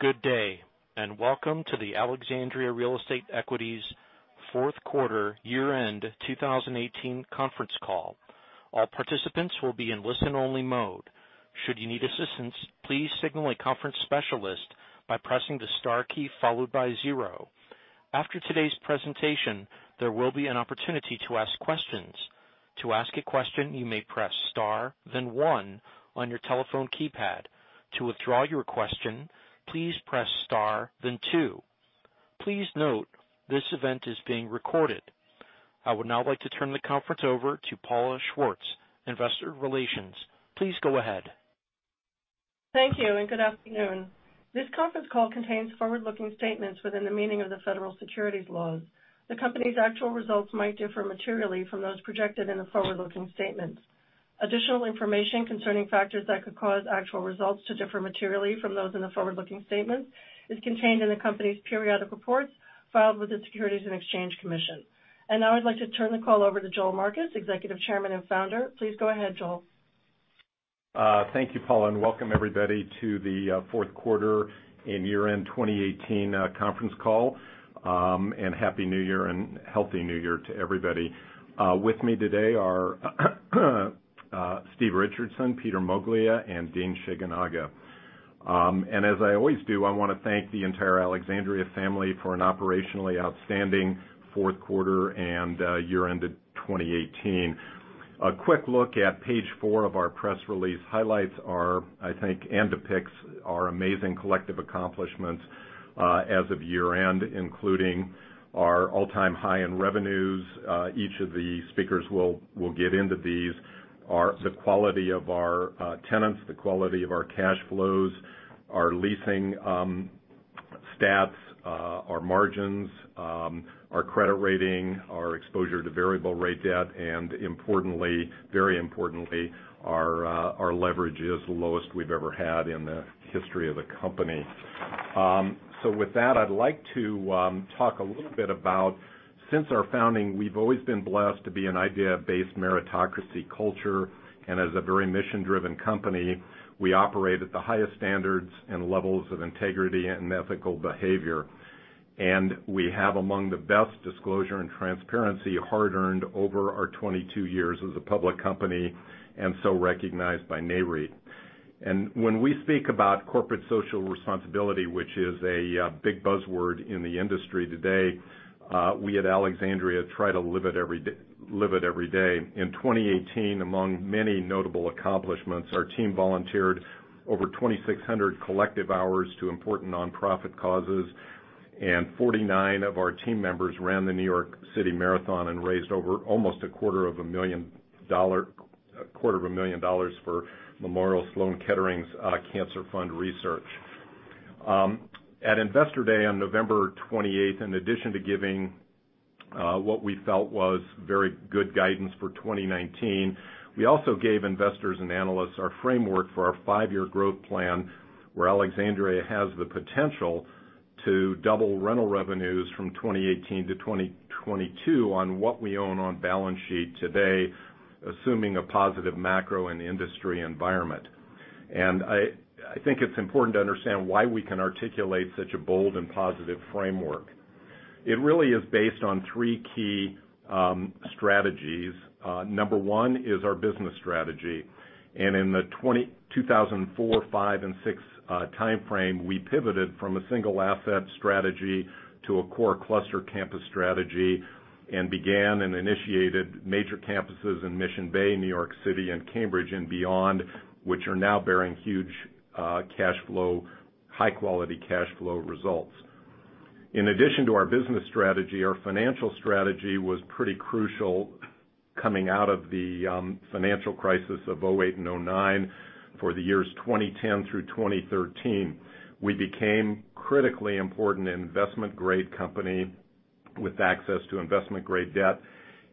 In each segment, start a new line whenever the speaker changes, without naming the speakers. Good day. Welcome to the Alexandria Real Estate Equities fourth quarter year-end 2018 conference call. All participants will be in listen-only mode. Should you need assistance, please signal a conference specialist by pressing the star key followed by zero. After today's presentation, there will be an opportunity to ask questions. To ask a question, you may press star, then one on your telephone keypad. To withdraw your question, please press star, then two. Please note this event is being recorded. I would now like to turn the conference over to Paula Schwartz, investor relations. Please go ahead.
Thank you. Good afternoon. This conference call contains forward-looking statements within the meaning of the federal securities laws. The company's actual results might differ materially from those projected in the forward-looking statements. Additional information concerning factors that could cause actual results to differ materially from those in the forward-looking statements is contained in the company's periodic reports filed with the Securities and Exchange Commission. Now I'd like to turn the call over to Joel Marcus, Executive Chairman and Founder. Please go ahead, Joel.
Thank you, Paula. Welcome everybody to the fourth quarter and year-end 2018 conference call. Happy New Year and healthy new year to everybody. With me today are Steve Richardson, Peter Moglia, and Dean Shigenaga. As I always do, I want to thank the entire Alexandria family for an operationally outstanding fourth quarter and year-ended 2018. A quick look at page four of our press release highlights our, I think, and depicts our amazing collective accomplishments, as of year-end, including our all-time high in revenues. Each of the speakers will get into these. The quality of our tenants, the quality of our cash flows, our leasing stats, our margins, our credit rating, our exposure to variable rate debt, and very importantly, our leverage is the lowest we've ever had in the history of the company. With that, I'd like to talk a little bit about since our founding, we've always been blessed to be an idea-based meritocracy culture, and as a very mission-driven company, we operate at the highest standards and levels of integrity and ethical behavior. We have among the best disclosure and transparency hard-earned over our 22 years as a public company, and so recognized by Nareit. When we speak about corporate social responsibility, which is a big buzzword in the industry today, we at Alexandria try to live it every day. In 2018, among many notable accomplishments, our team volunteered over 2,600 collective hours to important nonprofit causes, and 49 of our team members ran the New York City Marathon and raised over almost $250,000 for Memorial Sloan Kettering's Cancer Fund research. At Investor Day on November 28th, in addition to giving what we felt was very good guidance for 2019, we also gave investors and analysts our framework for our five-year growth plan, where Alexandria has the potential to double rental revenues from 2018 to 2022 on what we own on the balance sheet today, assuming a positive macro and industry environment. I think it's important to understand why we can articulate such a bold and positive framework. It really is based on three key strategies. Number one is our business strategy. In the 2004, 2005, and 2006 timeframe, we pivoted from a single asset strategy to a core cluster campus strategy and began and initiated major campuses in Mission Bay, New York City, and Cambridge and beyond, which are now bearing huge high-quality cash flow results. In addition to our business strategy, our financial strategy was pretty crucial coming out of the financial crisis of 2008 and 2009 for the years 2010 through 2013. We became critically important investment-grade company with access to investment-grade debt,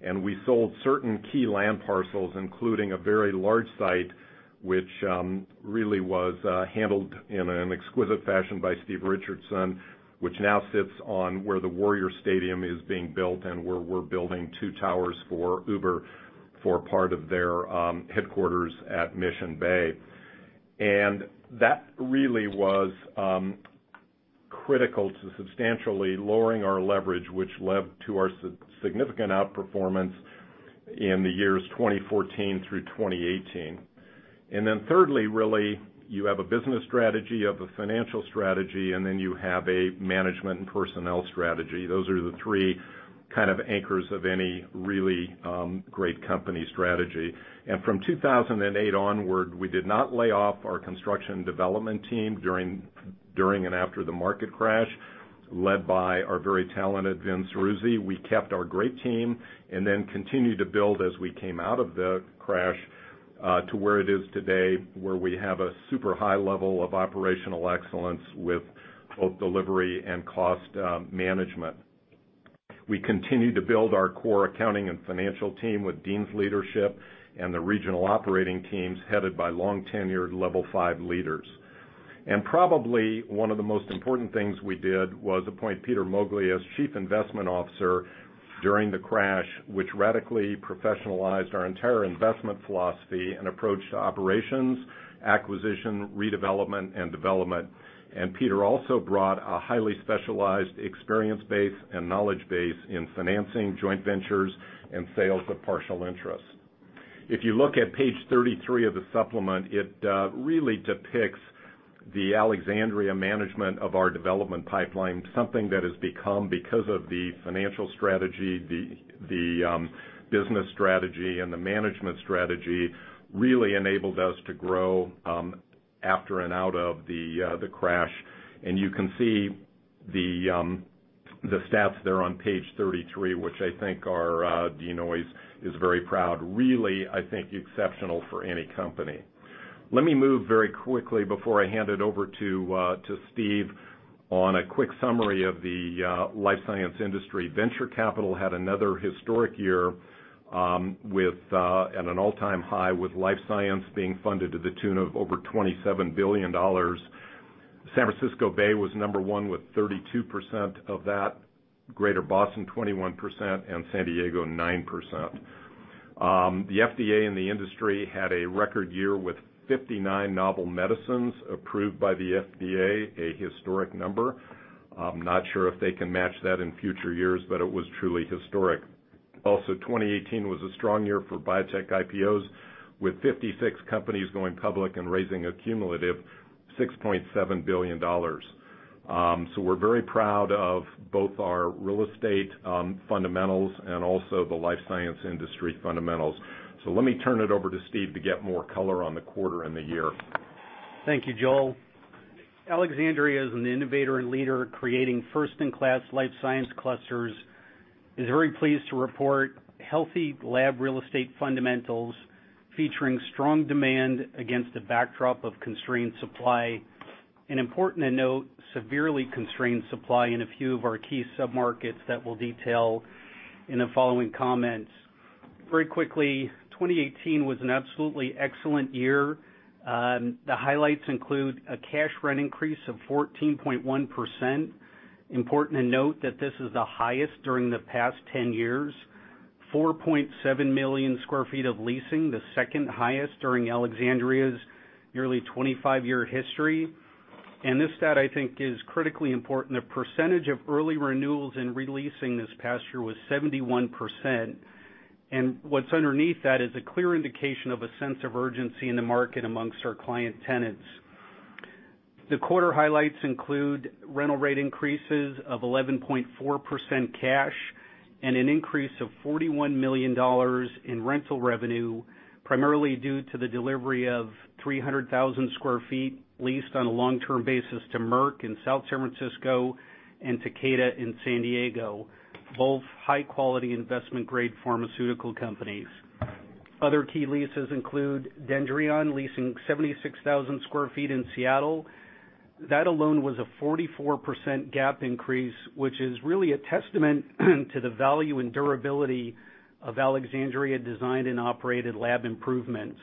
and we sold certain key land parcels, including a very large site, which really was handled in an exquisite fashion by Steve Richardson, which now sits on where the Warriors' stadium is being built and where we're building two towers for Uber for part of their headquarters at Mission Bay. That really was critical to substantially lowering our leverage, which led to our significant outperformance in the years 2014 through 2018. Then thirdly, really, you have a business strategy, you have a financial strategy, you have a management and personnel strategy. Those are the three kind of anchors of any really great company strategy. From 2008 onward, we did not lay off our construction development team during and after the market crash, led by our very talented Vince Ciruzzi. We kept our great team, continued to build as we came out of the crash, to where it is today, where we have a super high level of operational excellence with both delivery and cost management. We continued to build our core accounting and financial team with Dean's leadership and the regional operating teams headed by long-tenured level 5 leaders. Probably one of the most important things we did was appoint Peter Moglia as Chief Investment Officer during the crash, which radically professionalized our entire investment philosophy and approach to operations, acquisition, redevelopment, and development. Peter also brought a highly specialized experience base and knowledge base in financing joint ventures and sales of partial interest. If you look at page 33 of the supplement, it really depicts the Alexandria management of our development pipeline, something that has become because of the financial strategy, the business strategy, and the management strategy, really enabled us to grow after and out of the crash. You can see the stats there on page 33, which I think are,[Deano] is very proud. Really, I think, exceptional for any company. Let me move very quickly before I hand it over to Steve on a quick summary of the life science industry. Venture Capital had another historic year, at an all-time high, with life science being funded to the tune of over $27 billion. San Francisco Bay was number one with 32% of that, Greater Boston 21%, and San Diego 9%. The FDA and the industry had a record year with 59 novel medicines approved by the FDA, a historic number. I'm not sure if they can match that in future years, but it was truly historic. 2018 was a strong year for biotech IPOs, with 56 companies going public and raising a cumulative $6.7 billion. We're very proud of both our real estate fundamentals and also the life science industry fundamentals. Let me turn it over to Steve to get more color on the quarter and the year.
Thank you, Joel. Alexandria is an innovator and leader creating first-in-class life science clusters. It's very pleased to report healthy lab real estate fundamentals featuring strong demand against a backdrop of constrained supply, and important to note, severely constrained supply in a few of our key sub-markets that we'll detail in the following comments. Very quickly, 2018 was an absolutely excellent year. The highlights include a cash rent increase of 14.1%. Important to note that this is the highest during the past 10 years, 4.7 million square feet of leasing, the second highest during Alexandria's nearly 25-year history. This stat, I think, is critically important. The percentage of early renewals in re-leasing this past year was 71%. What's underneath that is a clear indication of a sense of urgency in the market amongst our client tenants. The quarter highlights include rental rate increases of 11.4% cash and an increase of $41 million in rental revenue, primarily due to the delivery of 300,000 sq ft leased on a long-term basis to Merck in South San Francisco and Takeda in San Diego, both high-quality investment-grade pharmaceutical companies. Other key leases include Dendreon leasing 76,000 sq ft in Seattle. That alone was a 44% GAAP increase, which is really a testament to the value and durability of Alexandria designed and operated lab improvements.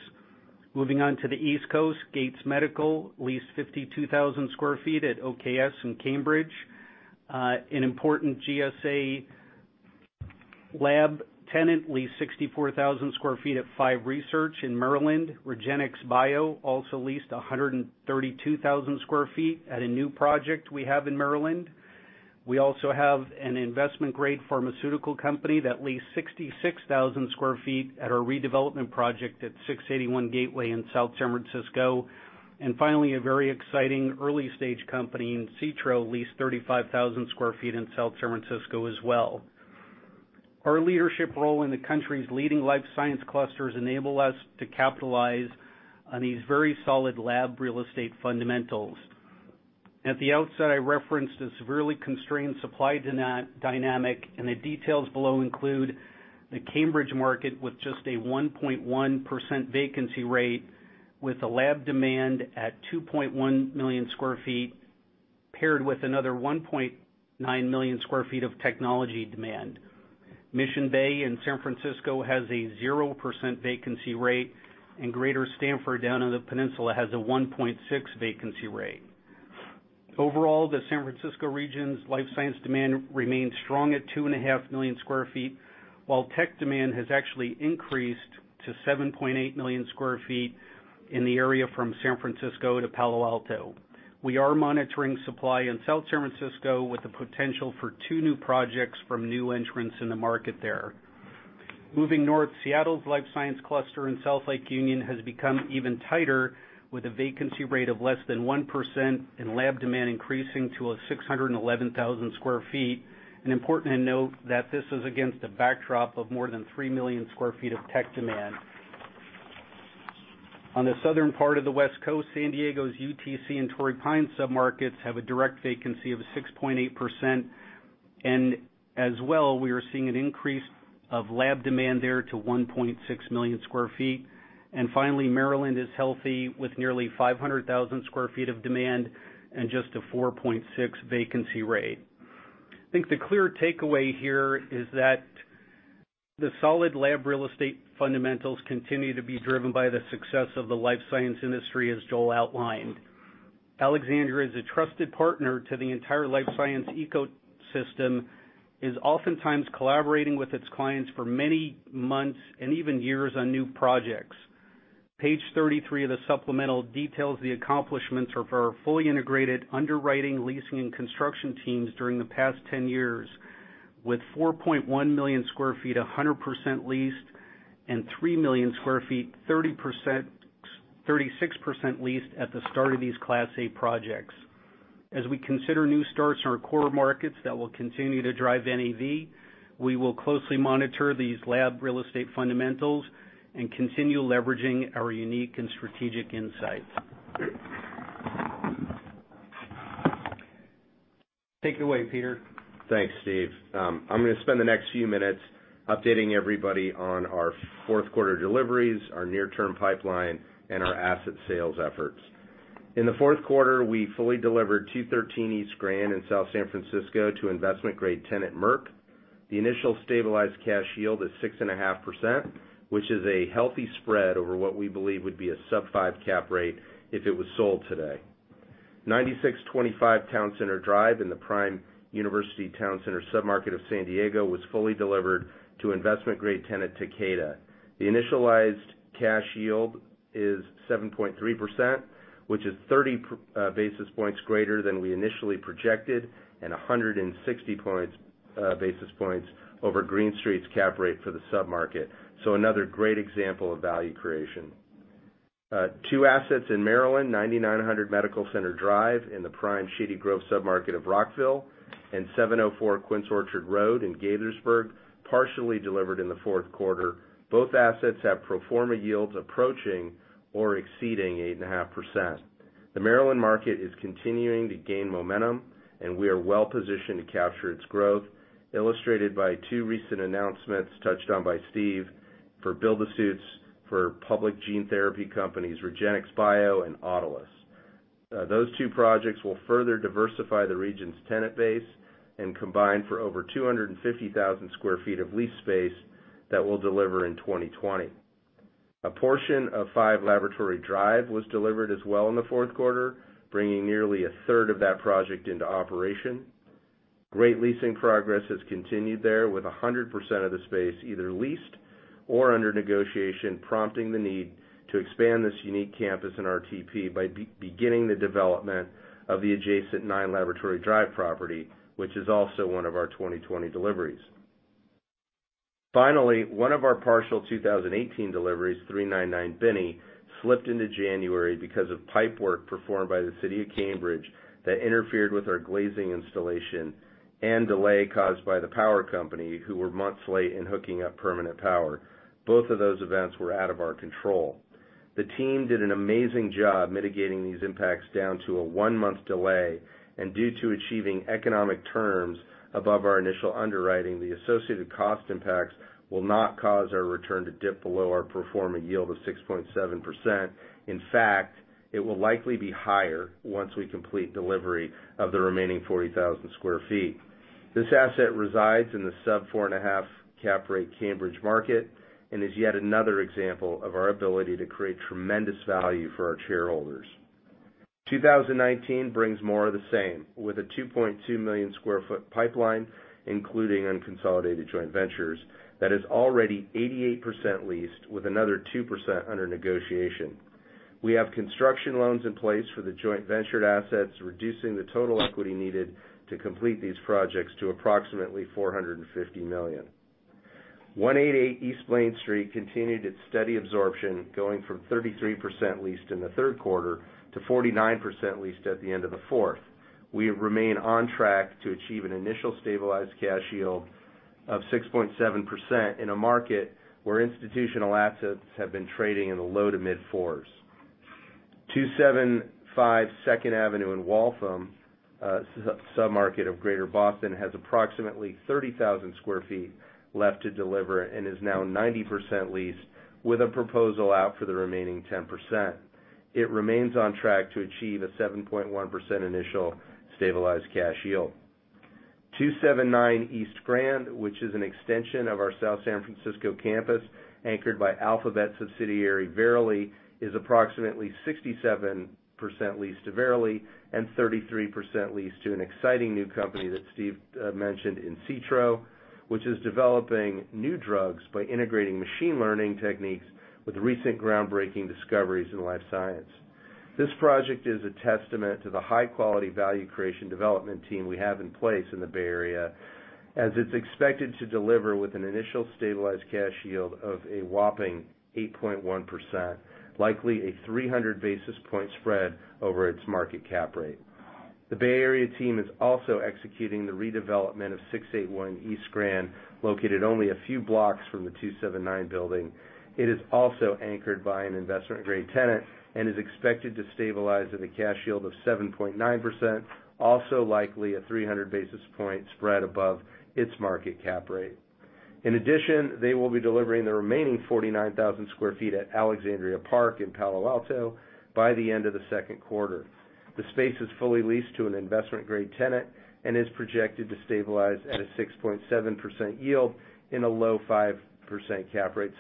Moving on to the East Coast, Gates Medical leased 52,000 sq ft at OKS in Cambridge. An important GSA lab tenant leased 64,000 sq ft at 5 Research in Maryland. REGENXBIO also leased 132,000 sq ft at a new project we have in Maryland. We also have an investment-grade pharmaceutical company that leased 66,000 sq ft at our redevelopment project at 681 Gateway in South San Francisco. Finally, a very exciting early-stage company insitro leased 35,000 sq ft in South San Francisco as well. Our leadership role in the country's leading life science clusters enable us to capitalize on these very solid lab real estate fundamentals. At the outset, I referenced a severely constrained supply dynamic, the details below include the Cambridge market with just a 1.1% vacancy rate with a lab demand at 2.1 million square feet, paired with another 1.9 million square feet of technology demand. Mission Bay in San Francisco has a 0% vacancy rate, and Greater Stanford down in the peninsula has a 1.6%vacancy rate. Overall, the San Francisco region's life science demand remains strong at 2.5 million square feet, while tech demand has actually increased to 7.8 million square feet in the area from San Francisco to Palo Alto. We are monitoring supply in South San Francisco with the potential for two new projects from new entrants in the market there. Moving north, Seattle's life science cluster in South Lake Union has become even tighter with a vacancy rate of less than 1% and lab demand increasing to 611,000 sq ft. Important to note that this is against a backdrop of more than 3 million square feet of tech demand. On the southern part of the West Coast, San Diego's UTC and Torrey Pines submarkets have a direct vacancy of 6.8%, and as well, we are seeing an increase of lab demand there to 1.6 million square feet. Finally, Maryland is healthy with nearly 500,000 sq ft of demand and just a 4.6% vacancy rate. I think the clear takeaway here is that the solid lab real estate fundamentals continue to be driven by the success of the life science industry, as Joel outlined. Alexandria is a trusted partner to the entire life science ecosystem, is oftentimes collaborating with its clients for many months and even years on new projects. Page 33 of the supplemental details the accomplishments of our fully integrated underwriting, leasing, and construction teams during the past 10 years, with 4.1 million square feet, 100% leased, and 3 million square feet, 36% leased at the start of these Class A projects. As we consider new starts in our core markets that will continue to drive NAV, we will closely monitor these lab real estate fundamentals and continue leveraging our unique and strategic insights. Take it away, Peter.
Thanks, Steve. I'm going to spend the next few minutes updating everybody on our fourth quarter deliveries, our near-term pipeline, and our asset sales efforts. In the fourth quarter, we fully delivered 213 East Grand in South San Francisco to investment-grade tenant, Merck. The initial stabilized cash yield is 6.5%, which is a healthy spread over what we believe would be a sub-five cap rate if it was sold today. 9625 Town Center Drive in the prime University Town Center submarket of San Diego was fully delivered to investment-grade tenant, Takeda. The initialized cash yield is 7.3%, which is 30 basis points greater than we initially projected, and 160 basis points over Green Street's cap rate for the submarket. Another great example of value creation. Two assets in Maryland, 9900 Medical Center Drive in the prime Shady Grove submarket of Rockville, and 704 Quince Orchard Road in Gaithersburg, partially delivered in the fourth quarter. Both assets have pro forma yields approaching or exceeding 8.5%. The Maryland market is continuing to gain momentum, and we are well-positioned to capture its growth, illustrated by two recent announcements touched on by Steve for build-to-suits for public gene therapy companies, REGENXBIO and Autolus. Those two projects will further diversify the region's tenant base and combine for over 250,000 sq ft of lease space that will deliver in 2020. A portion of 5 Laboratory Drive was delivered as well in the fourth quarter, bringing nearly a third of that project into operation. Great leasing progress has continued there with 100% of the space either leased or under negotiation, prompting the need to expand this unique campus in RTP by beginning the development of the adjacent 9 Laboratory Drive property, which is also one of our 2020 deliveries. Finally, one of our partial 2018 deliveries, 399 Binney, slipped into January because of pipe work performed by the City of Cambridge that interfered with our glazing installation and delay caused by the power company who were months late in hooking up permanent power. Both of those events were out of our control. The team did an amazing job mitigating these impacts down to a one-month delay, and due to achieving economic terms above our initial underwriting, the associated cost impacts will not cause our return to dip below our pro forma yield of 6.7%. In fact, it will likely be higher once we complete delivery of the remaining 40,000 sq ft. This asset resides in the sub 4.5% cap rate Cambridge market and is yet another example of our ability to create tremendous value for our shareholders. 2019 brings more of the same with a 2.2 million square foot pipeline, including unconsolidated joint ventures, that is already 88% leased, with another 2% under negotiation. We have construction loans in place for the joint ventured assets, reducing the total equity needed to complete these projects to approximately $450 million. 188 East Blaine Street continued its steady absorption, going from 33% leased in the third quarter to 49% leased at the end of the fourth. We remain on track to achieve an initial stabilized cash yield of 6.7% in a market where institutional assets have been trading in the low to mid-4%s. 275 Second Avenue in Waltham, a submarket of Greater Boston, has approximately 30,000 sq ft left to deliver and is now 90% leased with a proposal out for the remaining 10%. It remains on track to achieve a 7.1% initial stabilized cash yield. 279 East Grand, which is an extension of our South San Francisco campus, anchored by Alphabet subsidiary, Verily, is approximately 67% leased to Verily and 33% leased to an exciting new company that Steve mentioned, insitro, which is developing new drugs by integrating machine learning techniques with recent groundbreaking discoveries in life science. This project is a testament to the high-quality value creation development team we have in place in the Bay Area, as it's expected to deliver with an initial stabilized cash yield of a whopping 8.1%, likely a 300 basis point spread over its market cap rate. The Bay Area team is also executing the redevelopment of 681 East Grand, located only a few blocks from the 279 building. It is also anchored by an investment-grade tenant and is expected to stabilize at a cash yield of 7.9%, also likely a 300 basis point spread above its market cap rate. In addition, they will be delivering the remaining 49,000 sq ft at Alexandria Park in Palo Alto by the end of the second quarter. The space is fully leased to an investment-grade tenant and is projected to stabilize at a 6.7% yield in a low 5% cap rate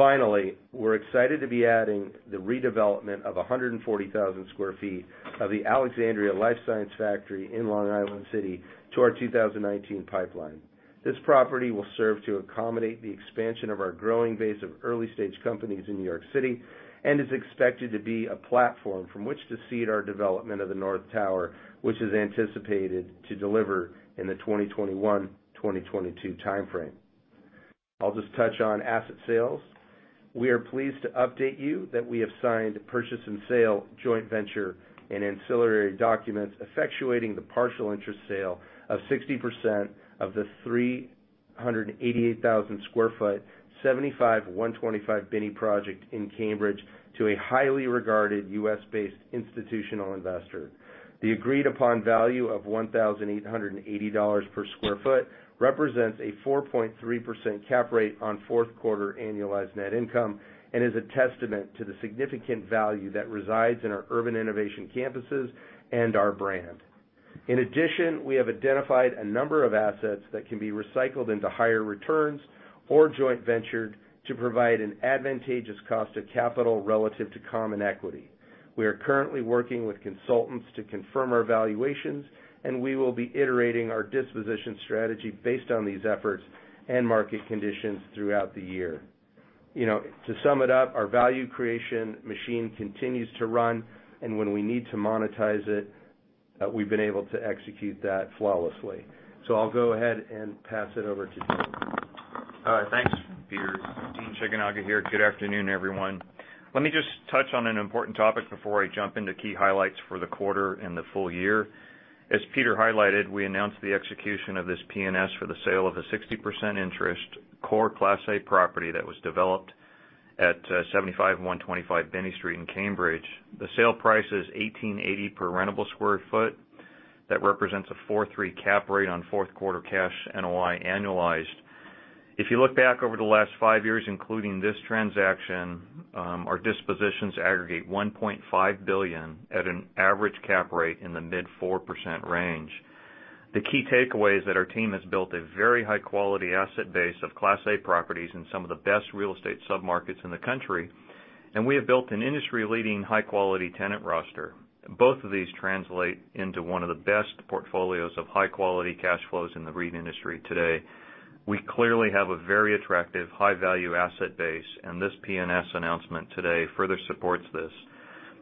submarket. We're excited to be adding the redevelopment of 140,000 sq ft of the Alexandria Life Science Factory in Long Island City to our 2019 pipeline. This property will serve to accommodate the expansion of our growing base of early-stage companies in New York City, and is expected to be a platform from which to seed our development of the north tower, which is anticipated to deliver in the 2021-2022 timeframe. I'll just touch on asset sales. We are pleased to update you that we have signed the purchase and sale joint venture and ancillary documents effectuating the partial interest sale of 60% of the 388,000 sq ft, 75/125 Binney project in Cambridge to a highly regarded U.S.-based institutional investor. The agreed-upon value of $1,880/sq ft represents a 4.3% cap rate on fourth quarter annualized net income, and is a testament to the significant value that resides in our urban innovation campuses and our brand. We have identified a number of assets that can be recycled into higher returns or joint ventured to provide an advantageous cost of capital relative to common equity. We are currently working with consultants to confirm our valuations, and we will be iterating our disposition strategy based on these efforts and market conditions throughout the year. Our value creation machine continues to run, and when we need to monetize it, we've been able to execute that flawlessly. I'll go ahead and pass it over to Dean.
All right. Thanks, Peter. Dean Shigenaga here. Good afternoon, everyone. Let me just touch on an important topic before I jump into key highlights for the quarter and the full year. As Peter highlighted, we announced the execution of this P&S for the sale of a 60% interest core Class A property that was developed at 75/125 Binney Street in Cambridge. The sale price is $1,880 per rentable square foot. That represents a 4.3% cap rate on fourth quarter cash NOI annualized. If you look back over the last five years, including this transaction, our dispositions aggregate $1.5 billion at an average cap rate in the mid-4% range. The key takeaway is that our team has built a very high-quality asset base of Class A properties in some of the best real estate submarkets in the country, and we have built an industry-leading, high-quality tenant roster. Both of these translate into one of the best portfolios of high-quality cash flows in the REIT industry today. We clearly have a very attractive high-value asset base, and this P&S announcement today further supports this.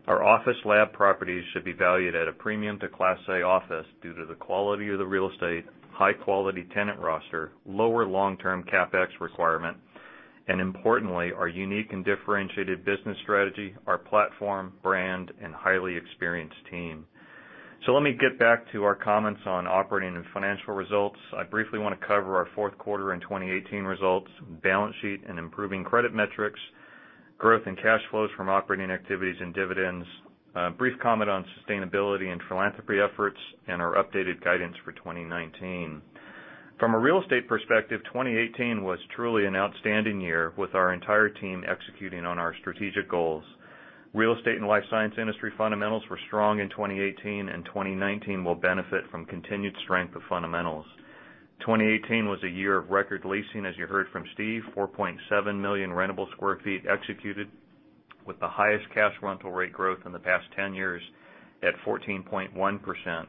Our office lab properties should be valued at a premium to Class A office due to the quality of the real estate, high-quality tenant roster, lower long-term CapEx requirement, and importantly, our unique and differentiated business strategy, our platform, brand, and highly experienced team. Let me get back to our comments on operating and financial results. I briefly want to cover our fourth quarter and 2018 results, balance sheet and improving credit metrics, growth and cash flows from operating activities and dividends, a brief comment on sustainability and philanthropy efforts, and our updated guidance for 2019. From a real estate perspective, 2018 was truly an outstanding year, with our entire team executing on our strategic goals. Real estate and life science industry fundamentals were strong in 2018, and 2019 will benefit from continued strength of fundamentals. 2018 was a year of record leasing, as you heard from Steve, 4.7 million rentable square feet executed with the highest cash rental rate growth in the past 10 years at 14.1%.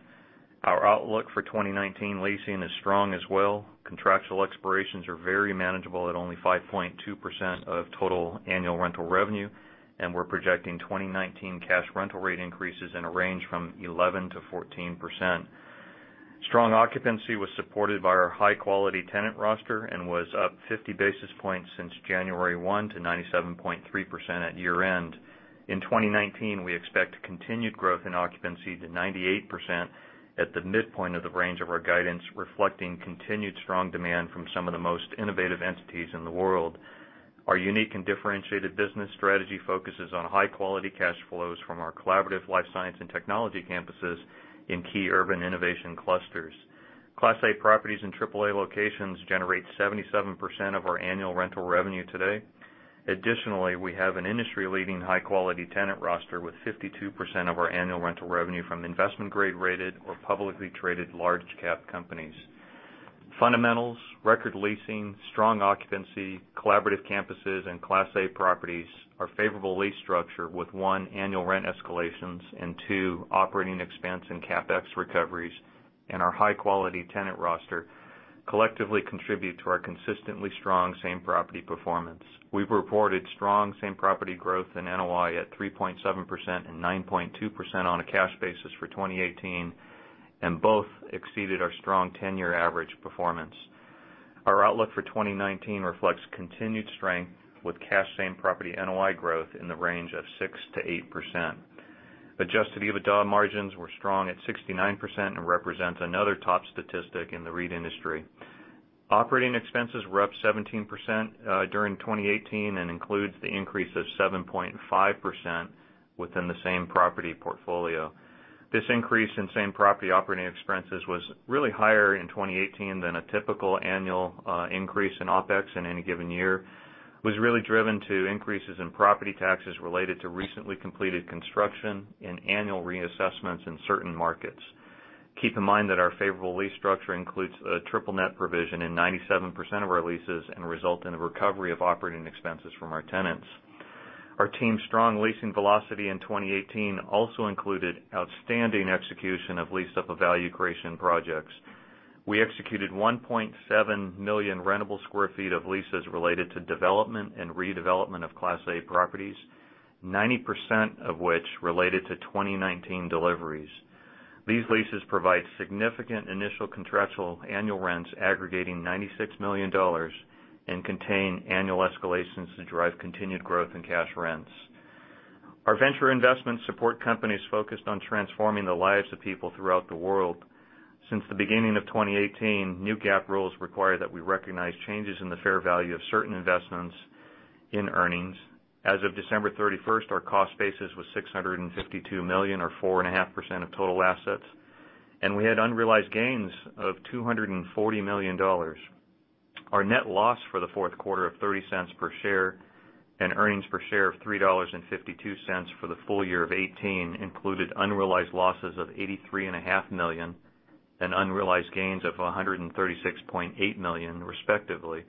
Our outlook for 2019 leasing is strong as well. Contractual expirations are very manageable at only 5.2% of total annual rental revenue, and we're projecting 2019 cash rental rate increases in a range from 11%-14%. Strong occupancy was supported by our high-quality tenant roster and was up 50 basis points since January 1 to 97.3% at year end. In 2019, we expect continued growth in occupancy to 98% at the midpoint of the range of our guidance, reflecting continued strong demand from some of the most innovative entities in the world. Our unique and differentiated business strategy focuses on high-quality cash flows from our collaborative life science and technology campuses in key urban innovation clusters. Class A properties in AAA locations generate 77% of our annual rental revenue today. Additionally, we have an industry-leading high-quality tenant roster with 52% of our annual rental revenue from investment grade rated or publicly traded large cap companies. Fundamentals, record leasing, strong occupancy, collaborative campuses and Class A properties are favorable lease structure with, one, annual rent escalations, and two, operating expense and CapEx recoveries, and our high-quality tenant roster collectively contribute to our consistently strong same property performance. We've reported strong same property growth in NOI at 3.7% and 9.2% on a cash basis for 2018, and both exceeded our strong 10-year average performance. Our outlook for 2019 reflects continued strength with cash same property NOI growth in the range of 6%-8%. Adjusted EBITDA margins were strong at 69% and represents another top statistic in the REIT industry. Operating expenses were up 17% during 2018 and includes the increase of 7.5% within the same property portfolio. This increase in same property operating expenses was really higher in 2018 than a typical annual increase in OpEx in any given year. It was really driven to increases in property taxes related to recently completed construction and annual reassessments in certain markets. Keep in mind that our favorable lease structure includes a triple net provision in 97% of our leases and result in a recovery of operating expenses from our tenants. Our team's strong leasing velocity in 2018 also included outstanding execution of leased up of value creation projects. We executed 1.7 million rentable square feet of leases related to development and redevelopment of Class A properties, 90% of which related to 2019 deliveries. These leases provide significant initial contractual annual rents aggregating $96 million and contain annual escalations to drive continued growth in cash rents. Our venture investment support company is focused on transforming the lives of people throughout the world. Since the beginning of 2018, new GAAP rules require that we recognize changes in the fair value of certain investments in earnings. As of December 31st, our cost basis was $652 million, or 4.5% of total assets, and we had unrealized gains of $240 million. Our net loss for the fourth quarter of $0.30 per share and earnings per share of $3.52 for the full year of 2018 included unrealized losses of $83.5 million and unrealized gains of $136.8 million respectively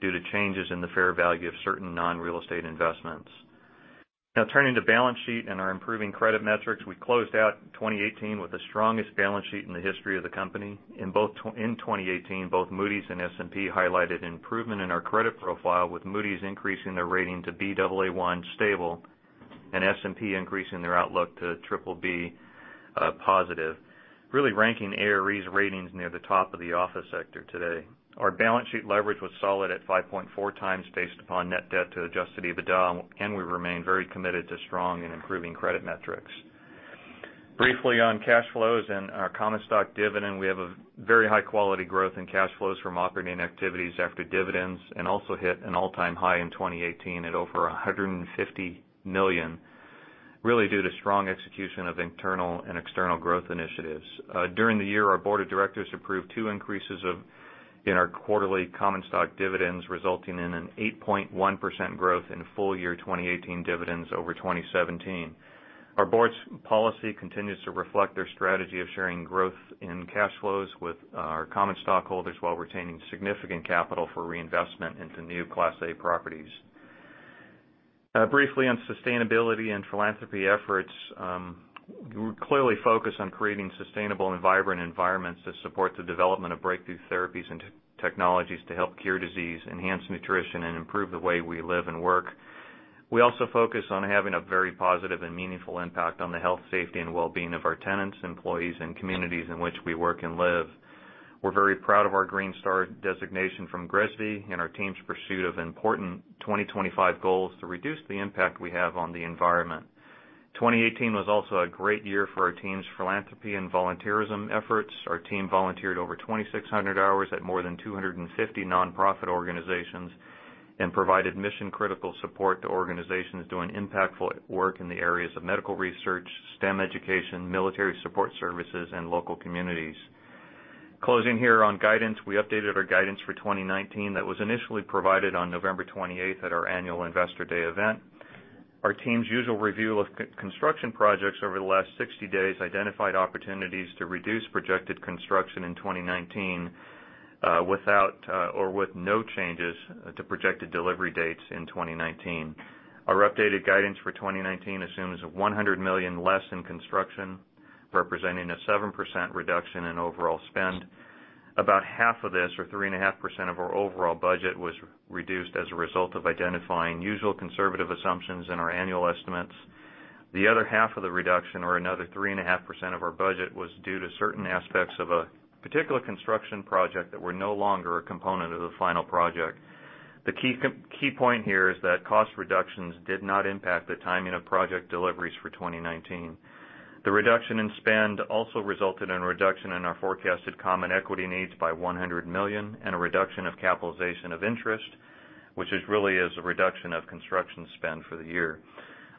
due to changes in the fair value of certain non-real estate investments. Turning to balance sheet and our improving credit metrics. We closed out 2018 with the strongest balance sheet in the history of the company. In 2018, both Moody's and S&P highlighted improvement in our credit profile, with Moody's increasing their rating to Baa1 stable and S&P increasing their outlook to BBB+, really ranking ARE's ratings near the top of the office sector today. Our balance sheet leverage was solid at 5.4x based upon net debt to adjusted EBITDA, and we remain very committed to strong and improving credit metrics. Briefly on cash flows and our common stock dividend, we have a very high quality growth in cash flows from operating activities after dividends, and also hit an all-time high in 2018 at over $150 million, really due to strong execution of internal and external growth initiatives. During the year, our board of directors approved two increases in our quarterly common stock dividends, resulting in an 8.1% growth in full year 2018 dividends over 2017. Our board's policy continues to reflect their strategy of sharing growth in cash flows with our common stockholders while retaining significant capital for reinvestment into new Class A properties. Briefly on sustainability and philanthropy efforts, we're clearly focused on creating sustainable and vibrant environments that support the development of breakthrough therapies and technologies to help cure disease, enhance nutrition, and improve the way we live and work. We also focus on having a very positive and meaningful impact on the health, safety, and well-being of our tenants, employees, and communities in which we work and live. We're very proud of our Green Star designation from GRESB and our team's pursuit of important 2025 goals to reduce the impact we have on the environment. 2018 was also a great year for our team's philanthropy and volunteerism efforts. Our team volunteered over 2,600 hours at more than 250 nonprofit organizations and provided mission-critical support to organizations doing impactful work in the areas of medical research, STEM education, military support services, and local communities. Closing here on guidance. We updated our guidance for 2019 that was initially provided on November 28th at our annual investor day event. Our team's usual review of construction projects over the last 60 days identified opportunities to reduce projected construction in 2019 without or with no changes to projected delivery dates in 2019. Our updated guidance for 2019 assumes $100 million less in construction, representing a 7% reduction in overall spend. About half of this, or 3.5% of our overall budget, was reduced as a result of identifying usual conservative assumptions in our annual estimates. The other half of the reduction, or another 3.5% of our budget, was due to certain aspects of a particular construction project that were no longer a component of the final project. The key point here is that cost reductions did not impact the timing of project deliveries for 2019. The reduction in spend also resulted in a reduction in our forecasted common equity needs by $100 million and a reduction of capitalization of interest, which really is a reduction of construction spend for the year.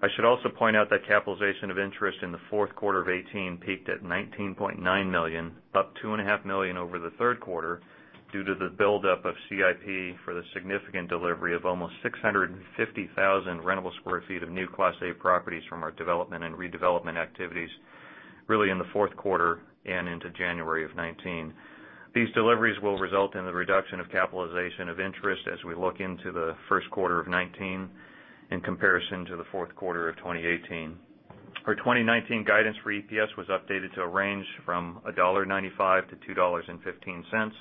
I should also point out that capitalization of interest in the fourth quarter of 2018 peaked at $19.9 million, up $2.5 million over the third quarter, due to the buildup of CIP for the significant delivery of almost 650,000 rentable square feet of new Class A properties from our development and redevelopment activities really in the fourth quarter and into January of 2019. These deliveries will result in the reduction of capitalization of interest as we look into the first quarter of 2019 in comparison to the fourth quarter of 2018. Our 2019 guidance for EPS was updated to a range from $1.95-$2.15.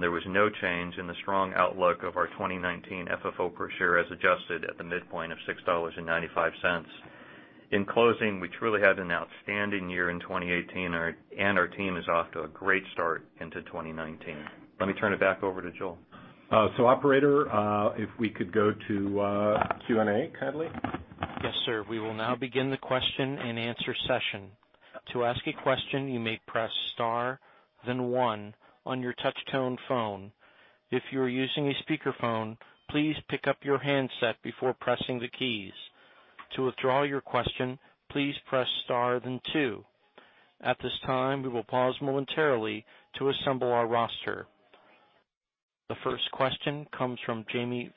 There was no change in the strong outlook of our 2019 FFO per share as adjusted at the midpoint of $6.95. In closing, we truly had an outstanding year in 2018. Our team is off to a great start into 2019. Let me turn it back over to Joel.
Operator, if we could go to Q&A kindly.
Yes, sir. We will now begin the question and answer session. To ask a question, you may press star then one on your touch tone phone. If you are using a speakerphone, please pick up your handset before pressing the keys. To withdraw your question, please press star then two. At this time, we will pause momentarily to assemble our roster. The first question comes from Jamie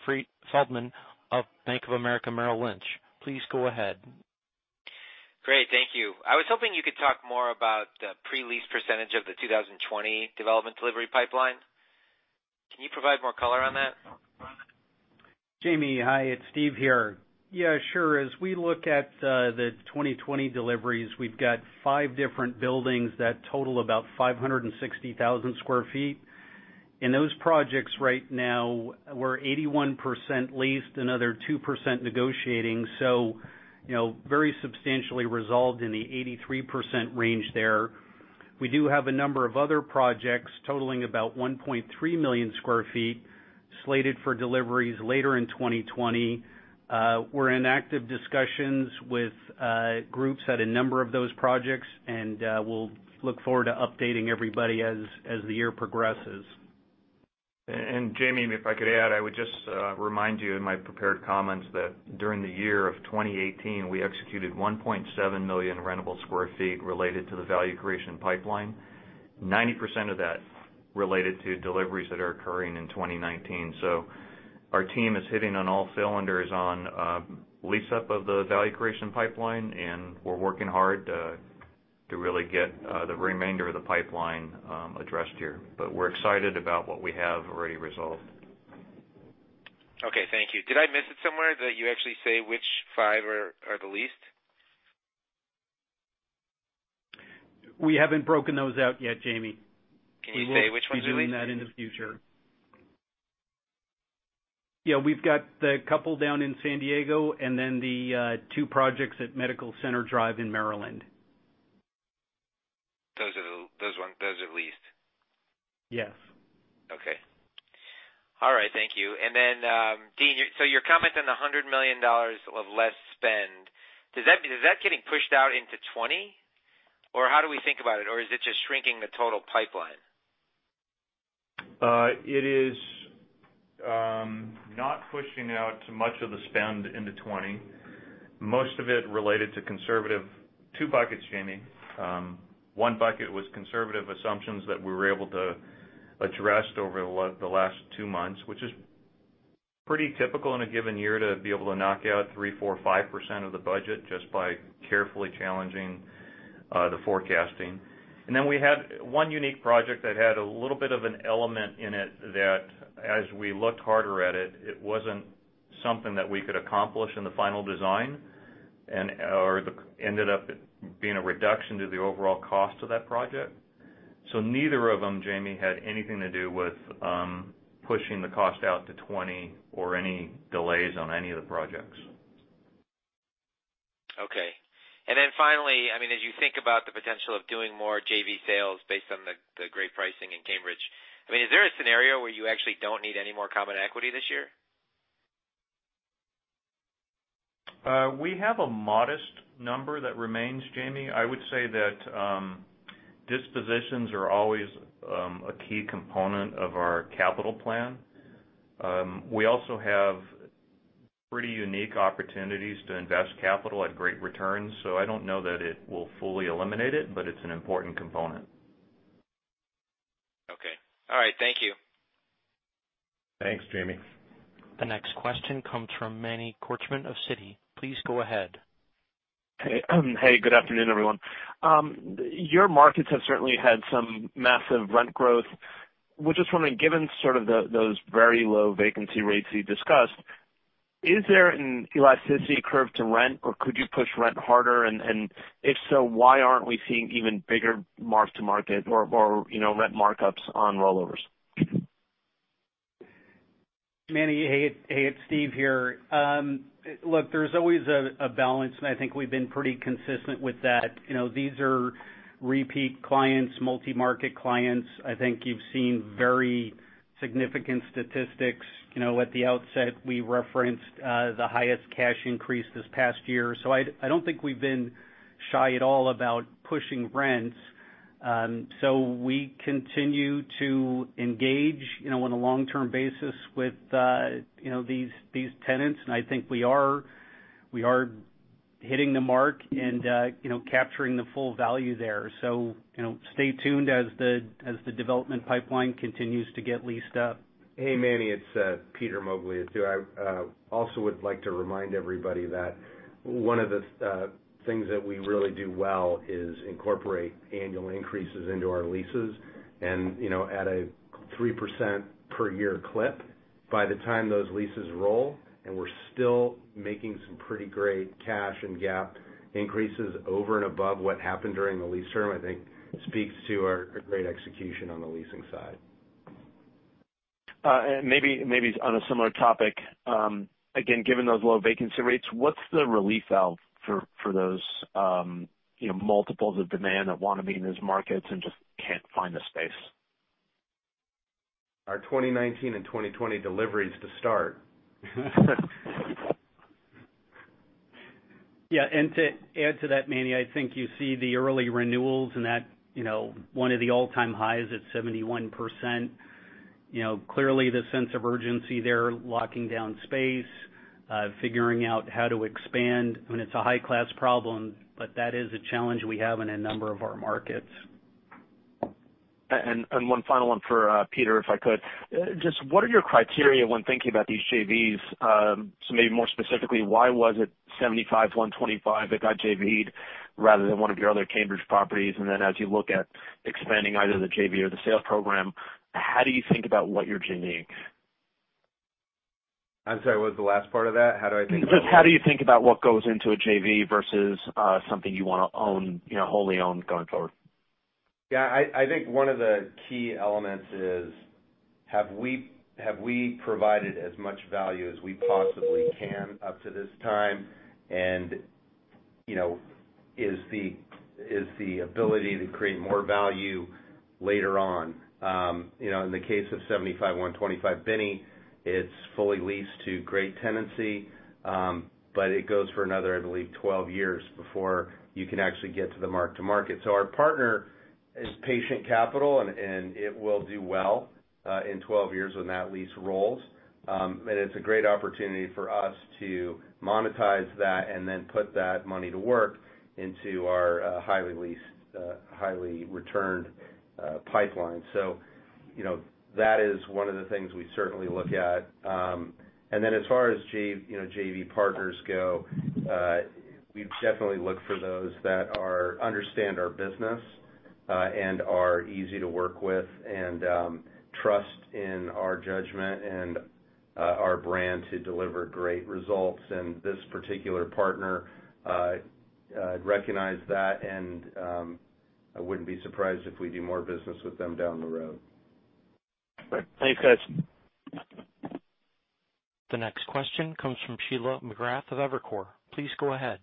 Feldman of Bank of America Merrill Lynch. Please go ahead.
Great. Thank you. I was hoping you could talk more about the pre-lease percentage of the 2020 development delivery pipeline. Can you provide more color on that?
Jamie, hi. It's Steve here. Yeah, sure. As we look at the 2020 deliveries, we've got five different buildings that total about 560,000 sq ft. In those projects right now, we're 81% leased, another 2% negotiating. Very substantially resolved in the 83% range there. We do have a number of other projects totaling about 1.3 million square feet slated for deliveries later in 2020. We're in active discussions with groups at a number of those projects, and we'll look forward to updating everybody as the year progresses.
Jamie, if I could add, I would just remind you in my prepared comments that during the year of 2018, we executed 1.7 million rentable square feet related to the value creation pipeline. 90% of that related to deliveries that are occurring in 2019. Our team is hitting on all cylinders on lease-up of the value creation pipeline, and we're working hard to really get the remainder of the pipeline addressed here. We're excited about what we have already resolved.
Okay, thank you. Did I miss it somewhere that you actually say which five are the leased?
We haven't broken those out yet, Jamie.
Can you say which ones are leased?
We will be doing that in the future. Yeah, we've got the couple down in San Diego and then the two projects at Medical Center Drive in Maryland.
Those ones, those are leased?
Yes.
Okay. All right, thank you. Dean, your comment on the $100 million of less spend, is that getting pushed out into 2020? How do we think about it? Is it just shrinking the total pipeline?
It is not pushing out much of the spend into 2020. Most of it related to two buckets, Jamie. One bucket was conservative assumptions that we were able to address over the last two months, which is pretty typical in a given year to be able to knock out 3%, 4%, 5% of the budget just by carefully challenging the forecasting. We had one unique project that had a little bit of an element in it that, as we looked harder at it wasn't something that we could accomplish in the final design and ended up being a reduction to the overall cost of that project. Neither of them, Jamie, had anything to do with pushing the cost out to 2020 or any delays on any of the projects.
Okay. Finally, as you think about the potential of doing more JV sales based on the great pricing in Cambridge, is there a scenario where you actually don't need any more common equity this year?
We have a modest number that remains, Jamie. I would say that dispositions are always a key component of our capital plan. We also have pretty unique opportunities to invest capital at great returns, so I don't know that it will fully eliminate it, but it's an important component.
Okay. All right. Thank you.
Thanks, Jamie.
The next question comes from Manny Korchman of Citi. Please go ahead.
Hey, good afternoon, everyone. Your markets have certainly had some massive rent growth. We're just wondering, given sort of those very low vacancy rates you discussed, is there an elasticity curve to rent, or could you push rent harder? If so, why aren't we seeing even bigger marks to market or rent markups on rollovers?
Manny, hey, it's Steve here. Look, there's always a balance, and I think we've been pretty consistent with that. These are repeat clients, multi-market clients. I think you've seen very significant statistics. At the outset, we referenced the highest cash increase this past year. I don't think we've been shy at all about pushing rents. We continue to engage on a long-term basis with these tenants, and I think we are hitting the mark and capturing the full value there. Stay tuned as the development pipeline continues to get leased up.
Hey, Manny, it's Peter Moglia too. I also would like to remind everybody that one of the things that we really do well is incorporate annual increases into our leases and at a 3% per year clip by the time those leases roll, and we're still making some pretty great cash and GAAP increases over and above what happened during the lease term, I think speaks to our great execution on the leasing side.
Maybe on a similar topic, again, given those low vacancy rates, what's the relief valve for those multiples of demand that want to be in those markets and just can't find the space?
Our 2019 and 2020 delivery is to start.
To add to that, Manny, I think you see the early renewals and that one of the all-time highs at 71%. Clearly the sense of urgency there, locking down space. Figuring out how to expand when it's a high-class problem, but that is a challenge we have in a number of our markets.
One final one for Peter, if I could. What are your criteria when thinking about these JVs? Maybe more specifically, why was it 75/125 that got JV'd rather than one of your other Cambridge properties? Then as you look at expanding either the JV or the sales program, how do you think about what you're JV'ing?
I'm sorry, what was the last part of that? How do I think about what?
How do you think about what goes into a JV versus something you want to wholly own going forward?
I think one of the key elements is have we provided as much value as we possibly can up to this time? Is the ability to create more value later on. In the case of 75/125 Binney, it's fully leased to great tenancy, but it goes for another, I believe, 12 years before you can actually get to the mark-to-market. Our partner is patient capital, and it will do well in 12 years when that lease rolls. It's a great opportunity for us to monetize that and then put that money to work into our highly leased, highly returned pipeline. That is one of the things we certainly look at. As far as JV partners go, we've definitely looked for those that understand our business, and are easy to work with, and trust in our judgment and our brand to deliver great results. This particular partner, recognized that, and I wouldn't be surprised if we do more business with them down the road.
Great. Thanks, guys.
The next question comes from Sheila McGrath of Evercore. Please go ahead.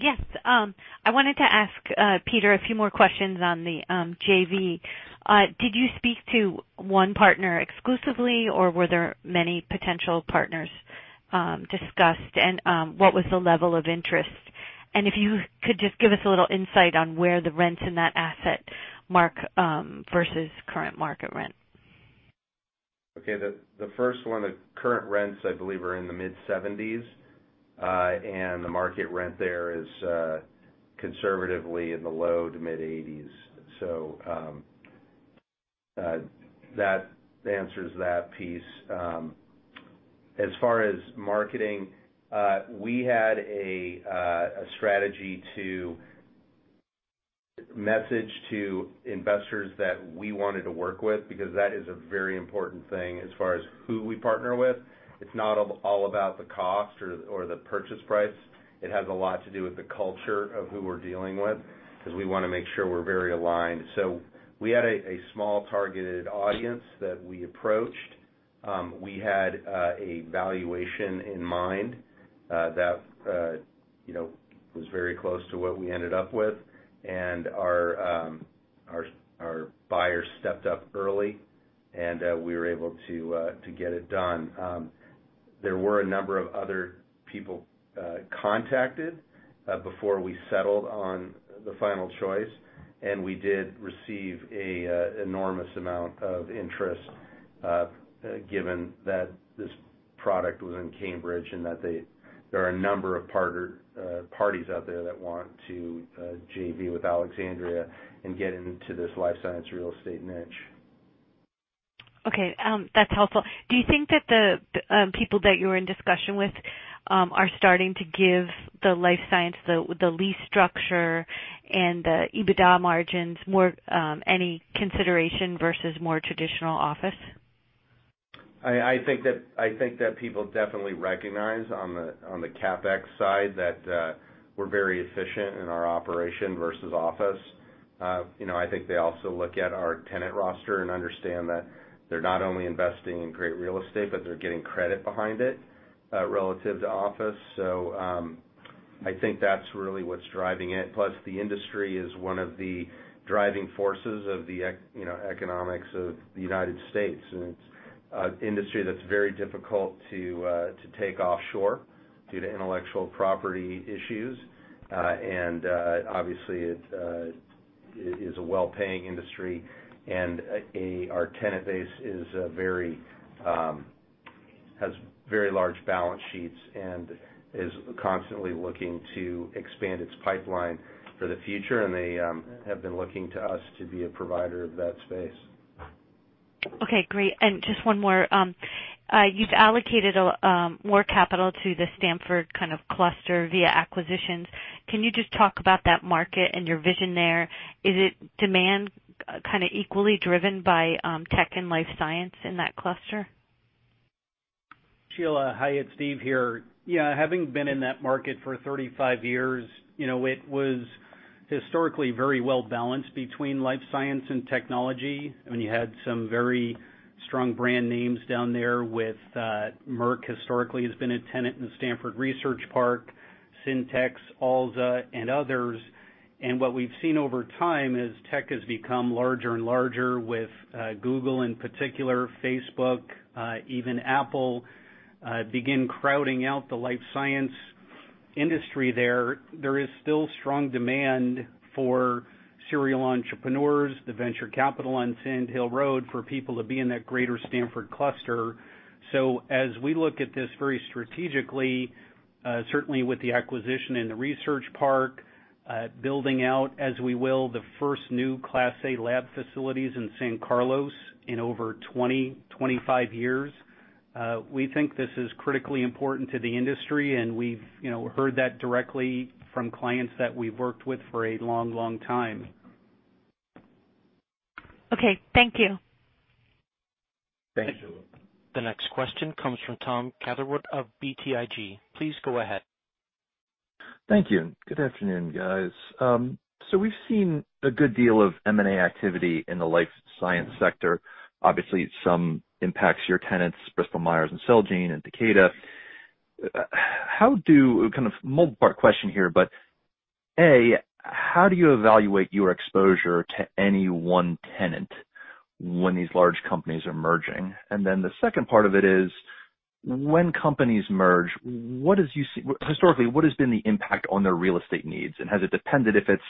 Yes. I wanted to ask Peter a few more questions on the JV. Did you speak to one partner exclusively, or were there many potential partners discussed? What was the level of interest? If you could just give us a little insight on where the rents in that asset mark versus current market rent.
Okay. The first one, the current rents, I believe, are in the mid-$70s. The market rent there is conservatively in the low to mid-$80s. That answers that piece. As far as marketing, we had a strategy to message to investors that we wanted to work with, because that is a very important thing as far as who we partner with. It's not all about the cost or the purchase price. It has a lot to do with the culture of who we're dealing with, because we want to make sure we're very aligned. We had a small targeted audience that we approached. We had a valuation in mind that was very close to what we ended up with. Our buyer stepped up early, and we were able to get it done. There were a number of other people contacted before we settled on the final choice, and we did receive an enormous amount of interest, given that this product was in Cambridge and that there are a number of parties out there that want to JV with Alexandria and get into this life science real estate niche.
Okay. That's helpful. Do you think that the people that you were in discussion with are starting to give the life science, the lease structure and the EBITDA margins any consideration versus more traditional office?
I think that people definitely recognize on the CapEx side that we're very efficient in our operation versus office. I think they also look at our tenant roster and understand that they're not only investing in great real estate, but they're getting credit behind it relative to office. I think that's really what's driving it. The industry is one of the driving forces of the economics of the United States, and it's an industry that's very difficult to take offshore due to intellectual property issues. Obviously it is a well-paying industry, and our tenant base has very large balance sheets and is constantly looking to expand its pipeline for the future. They have been looking to us to be a provider of that space.
Okay, great. Just one more. You've allocated more capital to the Stanford kind of cluster via acquisitions. Can you just talk about that market and your vision there? Is it demand kind of equally driven by tech and life science in that cluster?
Sheila, hi. It's Steve here. Having been in that market for 35 years, it was historically very well-balanced between life science and technology. I mean, you had some very strong brand names down there with Merck, historically has been a tenant in Stanford Research Park, Syntex, Alza, and others. What we've seen over time is tech has become larger and larger with Google in particular, Facebook, even Apple, begin crowding out the life science industry there is still strong demand for serial entrepreneurs, the Venture Capital on Sand Hill Road, for people to be in that greater Stanford cluster. As we look at this very strategically, certainly with the acquisition in the research park, building out as we will the first new class A lab facilities in San Carlos in over 20, 25 years, we think this is critically important to the industry, we've heard that directly from clients that we've worked with for a long time.
Okay. Thank you.
Thank you.
The next question comes from Tom Catherwood of BTIG. Please go ahead.
Thank you. Good afternoon, guys. We've seen a good deal of M&A activity in the life science sector. Obviously, some impacts your tenants, Bristol Myers and Celgene and Takeda. Kind of multi-part question here, A, how do you evaluate your exposure to any one tenant when these large companies are merging? The second part of it is, when companies merge, historically, what has been the impact on their real estate needs? Has it depended if it's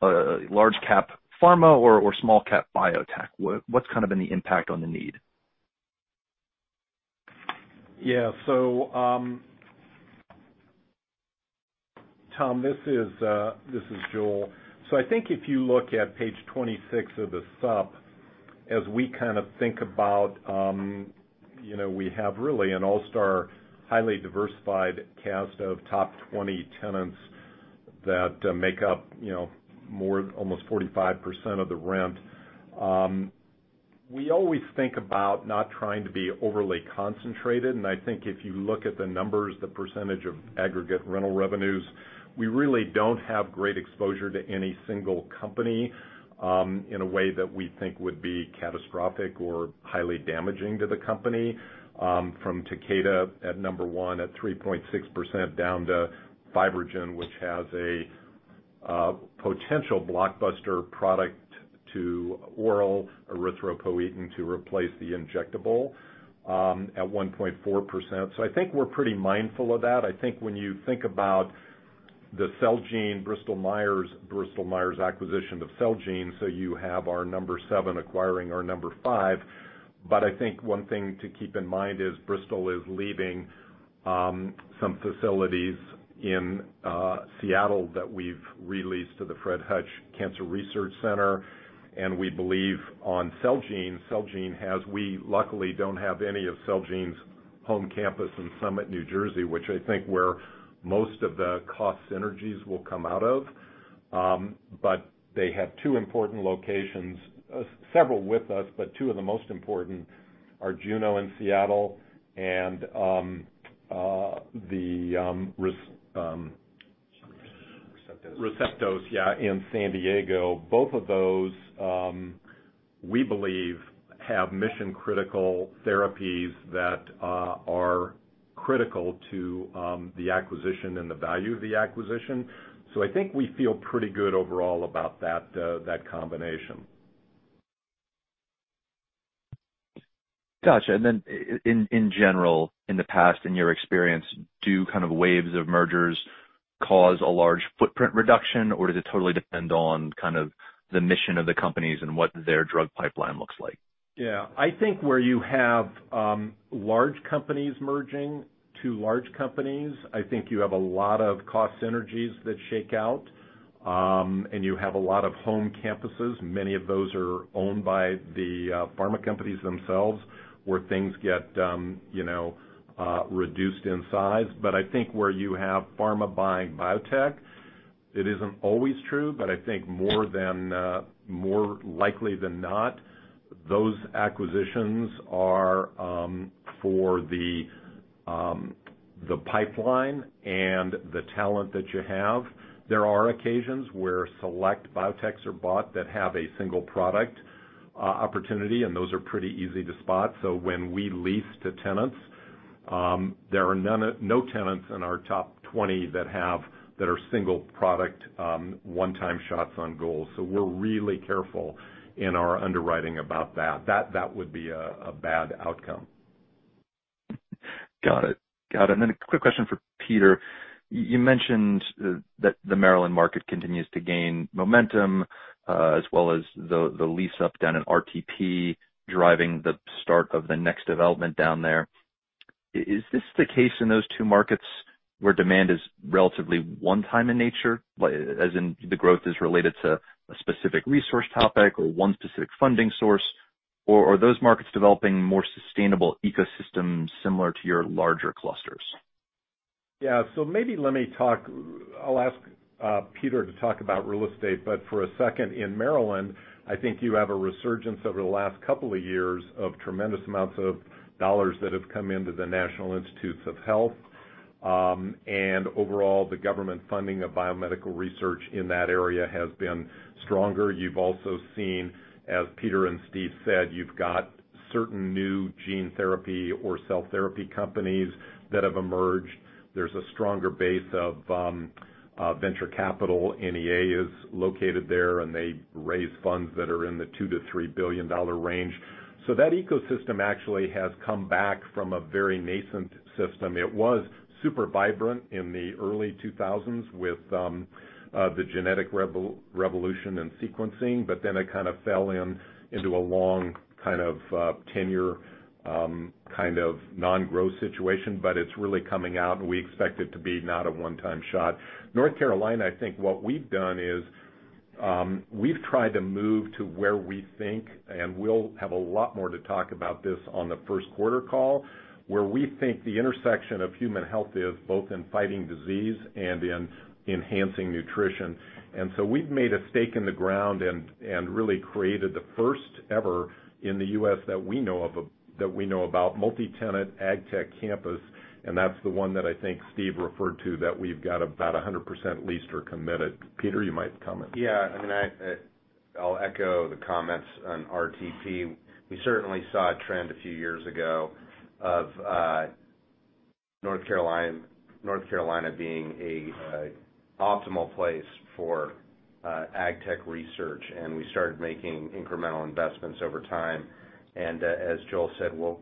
a large cap pharma or small cap biotech? What's kind of been the impact on the need?
Yeah. Tom, this is Joel. I think if you look at page 26 of the sup, as we kind of think about, we have really an all-star, highly diversified cast of top 20 tenants that make up almost 45% of the rent. We always think about not trying to be overly concentrated, and I think if you look at the numbers, the percentage of aggregate rental revenues, we really don't have great exposure to any single company in a way that we think would be catastrophic or highly damaging to the company. From Takeda at number one at 3.6%, down to FibroGen, which has a potential blockbuster product to oral erythropoietin to replace the injectable, at 1.4%. I think we're pretty mindful of that. I think when you think about the Bristol Myers acquisition of Celgene, you have our number seven acquiring our number five. I think one thing to keep in mind is Bristol is leaving some facilities in Seattle that we've re-leased to the Fred Hutch Cancer Research Center. We believe on Celgene, we luckily don't have any of Celgene's home campus in Summit, New Jersey, which I think where most of the cost synergies will come out of. They have two important locations, several with us, but two of the most important are Juno in Seattle and the Receptos in San Diego. Both of those, we believe have mission-critical therapies that are critical to the acquisition and the value of the acquisition. I think we feel pretty good overall about that combination.
Got you. In general, in the past, in your experience, do kind of waves of mergers cause a large footprint reduction, or does it totally depend on kind of the mission of the companies and what their drug pipeline looks like?
Yeah. I think where you have large companies merging, two large companies, I think you have a lot of cost synergies that shake out. You have a lot of home campuses. Many of those are owned by the pharma companies themselves, where things get reduced in size. I think where you have pharma buying biotech, it isn't always true, but I think more likely than not, those acquisitions are for the pipeline and the talent that you have. There are occasions where select biotechs are bought that have a single product opportunity, and those are pretty easy to spot. When we lease to tenants, there are no tenants in our top 20 that are single product, one-time shots on goal. We're really careful in our underwriting about that. That would be a bad outcome.
Got it. A quick question for Peter. You mentioned that the Maryland market continues to gain momentum, as well as the lease up down in RTP driving the start of the next development down there. Is this the case in those two markets where demand is relatively one-time in nature, as in the growth is related to a specific resource topic or one specific funding source, or are those markets developing more sustainable ecosystems similar to your larger clusters?
Yeah. I'll ask Peter to talk about real estate, for a second, in Maryland, I think you have a resurgence over the last couple of years of tremendous amounts of dollars that have come into the National Institutes of Health. Overall, the government funding of biomedical research in that area has been stronger. You've also seen, as Peter and Steve said, you've got certain new gene therapy or cell therapy companies that have emerged. There's a stronger base of venture capital. NEA is located there, and they raise funds that are in the $2 billion-$3 billion range. That ecosystem actually has come back from a very nascent system. It was super vibrant in the early 2000s with the genetic revolution in sequencing, but then it kind of fell into a long kind of tenure, kind of non-growth situation. It's really coming out, and we expect it to be not a one-time shot. North Carolina, I think what we've done is, we've tried to move to where we think, and we'll have a lot more to talk about this on the first quarter call, where we think the intersection of human health is, both in fighting disease and in enhancing nutrition, so we've made a stake in the ground and really created the first ever in the U.S. that we know about, multi-tenant AgTech campus. That's the one that I think Steve referred to, that we've got about 100% leased or committed. Peter, you might comment.
I'll echo the comments on RTP. We certainly saw a trend a few years ago of North Carolina being an optimal place for AgTech research, and we started making incremental investments over time. As Joel said, we'll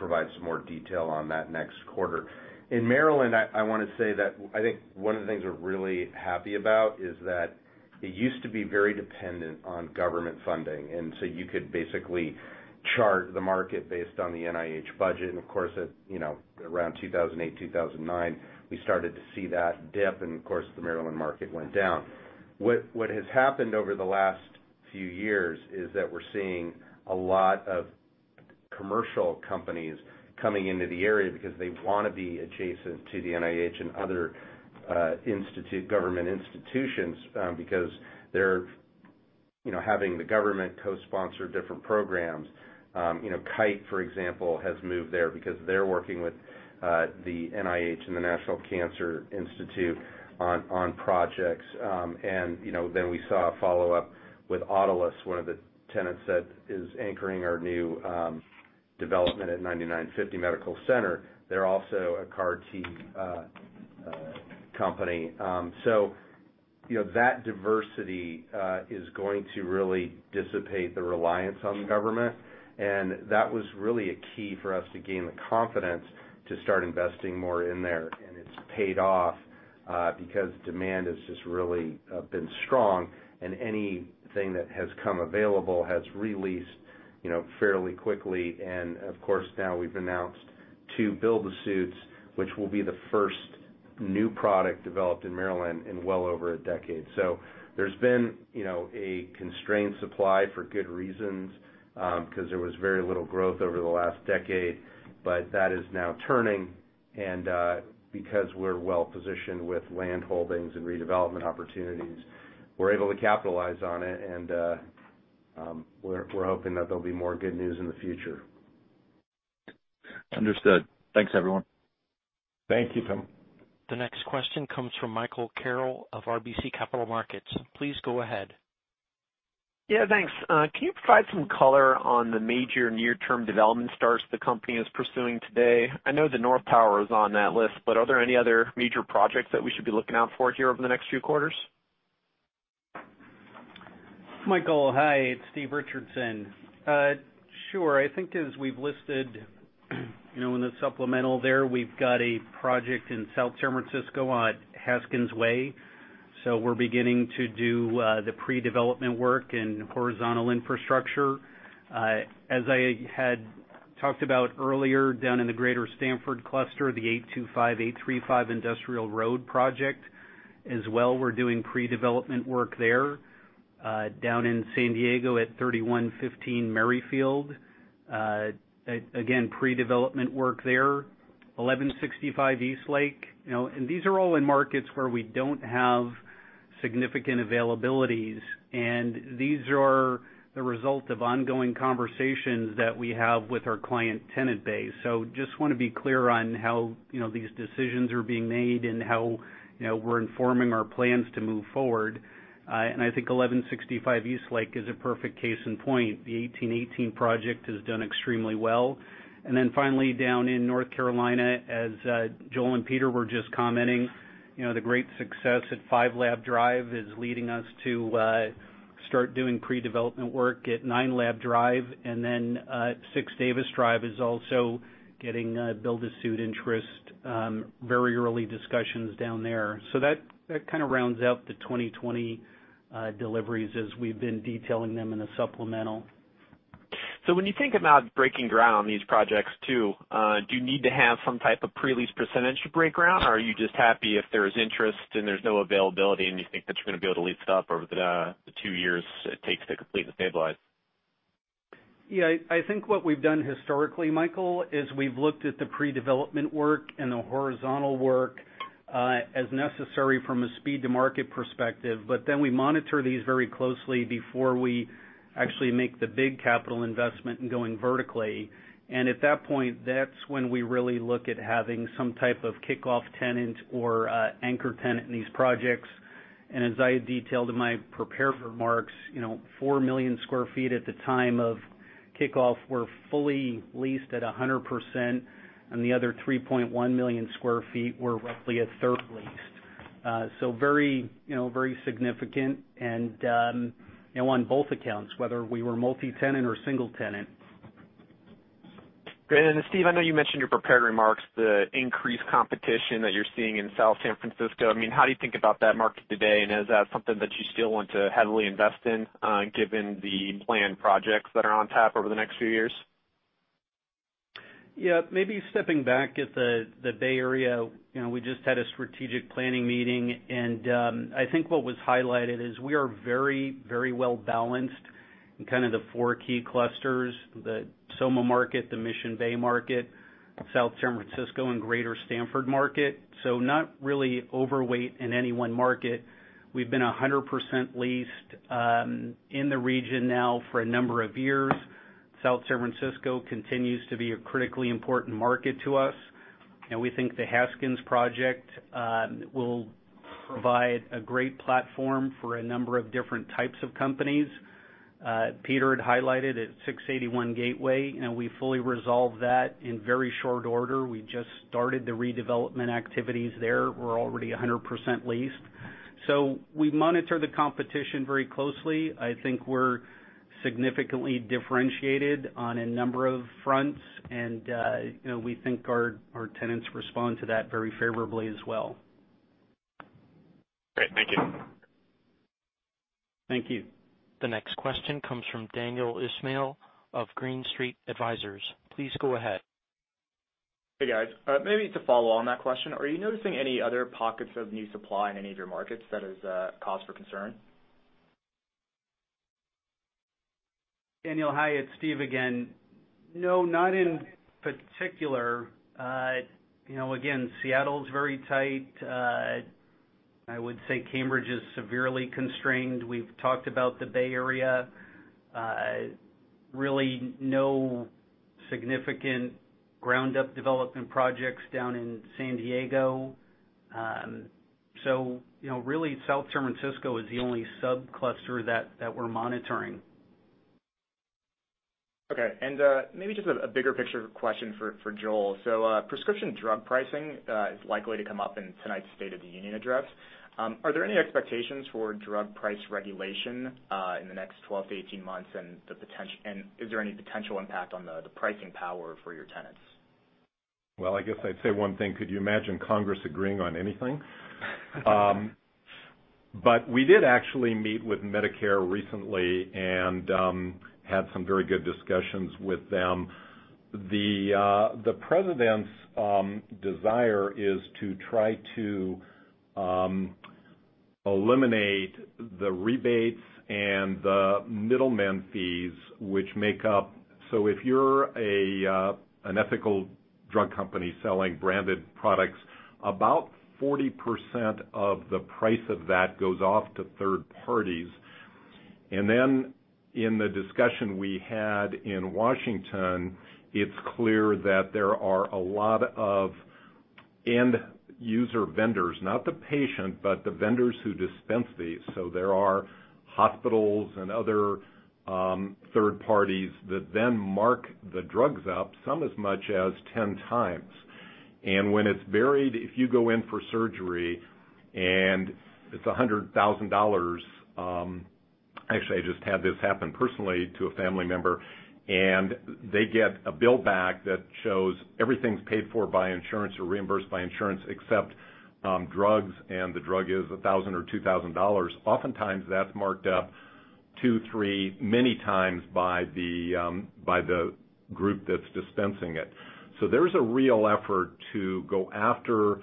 provide some more detail on that next quarter. In Maryland, I want to say that I think one of the things we're really happy about is that it used to be very dependent on government funding, so you could basically chart the market based on the NIH budget. Of course, around 2008, 2009, we started to see that dip. Of course, the Maryland market went down. What has happened over the last few years is that we're seeing a lot of commercial companies coming into the area because they want to be adjacent to the NIH and other government institutions because they're having the government co-sponsor different programs. Kite, for example, has moved there because they're working with the NIH and the National Cancer Institute on projects. Then we saw a follow-up with Autolus, one of the tenants that is anchoring our new development at 9950 Medical Center. They're also a CAR T company. That diversity is going to really dissipate the reliance on government. That was really a key for us to gain the confidence to start investing more in there. It's paid off because demand has just really been strong, and anything that has come available has re-leased fairly quickly. Of course, now we've announced two build-to-suits, which will be the first new product developed in Maryland in well over a decade. There's been a constrained supply for good reasons, because there was very little growth over the last decade. That is now turning. Because we're well-positioned with landholdings and redevelopment opportunities, we're able to capitalize on it, and we're hoping that there'll be more good news in the future.
Understood. Thanks, everyone.
Thank you, Tom.
The next question comes from Michael Carroll of RBC Capital Markets. Please go ahead.
Yeah, thanks. Can you provide some color on the major near-term development starts the company is pursuing today? I know the North Tower is on that list, but are there any other major projects that we should be looking out for here over the next few quarters?
Michael, hi. It's Steve Richardson. Sure. I think as we've listed in the supplemental there, we've got a project in South San Francisco on Haskins Way. We're beginning to do the pre-development work and horizontal infrastructure. As I had talked about earlier, down in the Greater Stanford cluster, the 825-835 Industrial Road project as well, we're doing pre-development work there. Down in San Diego at 3115 Merryfield, again, pre-development work there. 1165 Eastlake. These are all in markets where we don't have significant availabilities, and these are the result of ongoing conversations that we have with our client tenant base. Just want to be clear on how these decisions are being made and how we're informing our plans to move forward. I think 1165 Eastlake is a perfect case in point. The 1818 project has done extremely well. Finally, down in North Carolina, as Joel and Peter were just commenting, the great success at 5 Lab Drive is leading us to start doing pre-development work at 9 Lab Drive. At 6 Davis Drive is also getting build-to-suit interest. Very early discussions down there. That kind of rounds out the 2020 deliveries as we've been detailing them in the supplemental.
When you think about breaking ground on these projects too, do you need to have some type of pre-lease percentage to break ground, or are you just happy if there's interest and there's no availability, and you think that you're going to be able to lease it up over the two years it takes to complete and stabilize?
Yeah. I think what we've done historically, Michael, is we've looked at the pre-development work and the horizontal work As necessary from a speed to market perspective. We monitor these very closely before we actually make the big capital investment in going vertically. At that point, that's when we really look at having some type of kickoff tenant or anchor tenant in these projects. As I detailed in my prepared remarks, 4 million square feet at the time of kickoff were fully leased at 100%, and the other 3.1 million square feet were roughly a third leased. Very significant and on both accounts, whether we were multi-tenant or single-tenant.
Great. Steve, I know you mentioned your prepared remarks, the increased competition that you're seeing in South San Francisco. How do you think about that market today? Is that something that you still want to heavily invest in given the planned projects that are on tap over the next few years?
Maybe stepping back at the Bay Area, we just had a strategic planning meeting, I think what was highlighted is we are very well balanced in kind of the four key clusters, the SoMa market, the Mission Bay market, South San Francisco, and Greater Stanford market. Not really overweight in any one market. We've been 100% leased in the region now for a number of years. South San Francisco continues to be a critically important market to us, and we think the Haskins project will provide a great platform for a number of different types of companies. Peter had highlighted at 681 Gateway, we fully resolved that in very short order. We just started the redevelopment activities there. We're already 100% leased. We monitor the competition very closely. I think we're significantly differentiated on a number of fronts, we think our tenants respond to that very favorably as well.
Great. Thank you.
Thank you.
The next question comes from Daniel Ismail of Green Street Advisors. Please go ahead.
Hey, guys. Maybe to follow on that question, are you noticing any other pockets of new supply in any of your markets that is cause for concern?
Daniel, hi. It's Steve again. No, not in particular. Again, Seattle's very tight. I would say Cambridge is severely constrained. We've talked about the Bay Area. Really no significant ground-up development projects down in San Diego. Really South San Francisco is the only sub-cluster that we're monitoring.
Okay. Maybe just a bigger picture question for Joel. Prescription drug pricing is likely to come up in tonight's State of the Union address. Are there any expectations for drug price regulation in the next 12-18 months? Is there any potential impact on the pricing power for your tenants?
Well, I guess I'd say one thing, could you imagine Congress agreeing on anything? We did actually meet with Medicare recently and had some very good discussions with them. The president's desire is to try to eliminate the rebates and the middleman fees which make up if you're an ethical drug company selling branded products, about 40% of the price of that goes off to third parties. In the discussion we had in Washington, it's clear that there are a lot of end-user vendors, not the patient, but the vendors who dispense these. There are hospitals and other third parties that then mark the drugs up, some as much as 10x. When it's buried, if you go in for surgery and it's $100,000, actually, I just had this happen personally to a family member, and they get a bill back that shows everything's paid for by insurance or reimbursed by insurance, except drugs, and the drug is $1,000 or $2,000. Oftentimes, that's marked up 2x, 3x, many times by the group that's dispensing it. There's a real effort to go after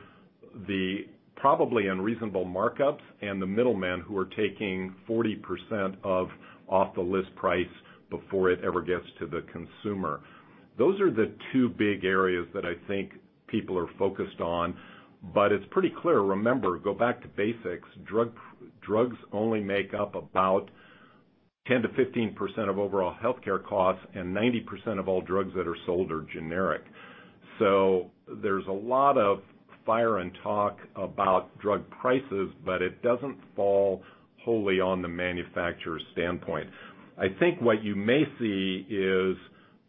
the probably unreasonable markups and the middlemen who are taking 40% off the list price before it ever gets to the consumer. Those are the two big areas that I think people are focused on, but it's pretty clear. Remember, go back to basics. Drugs only make up about 10%-15% of overall healthcare costs. 90% of all drugs that are sold are generic. There's a lot of fire and talk about drug prices, but it doesn't fall wholly on the manufacturer's standpoint. I think what you may see is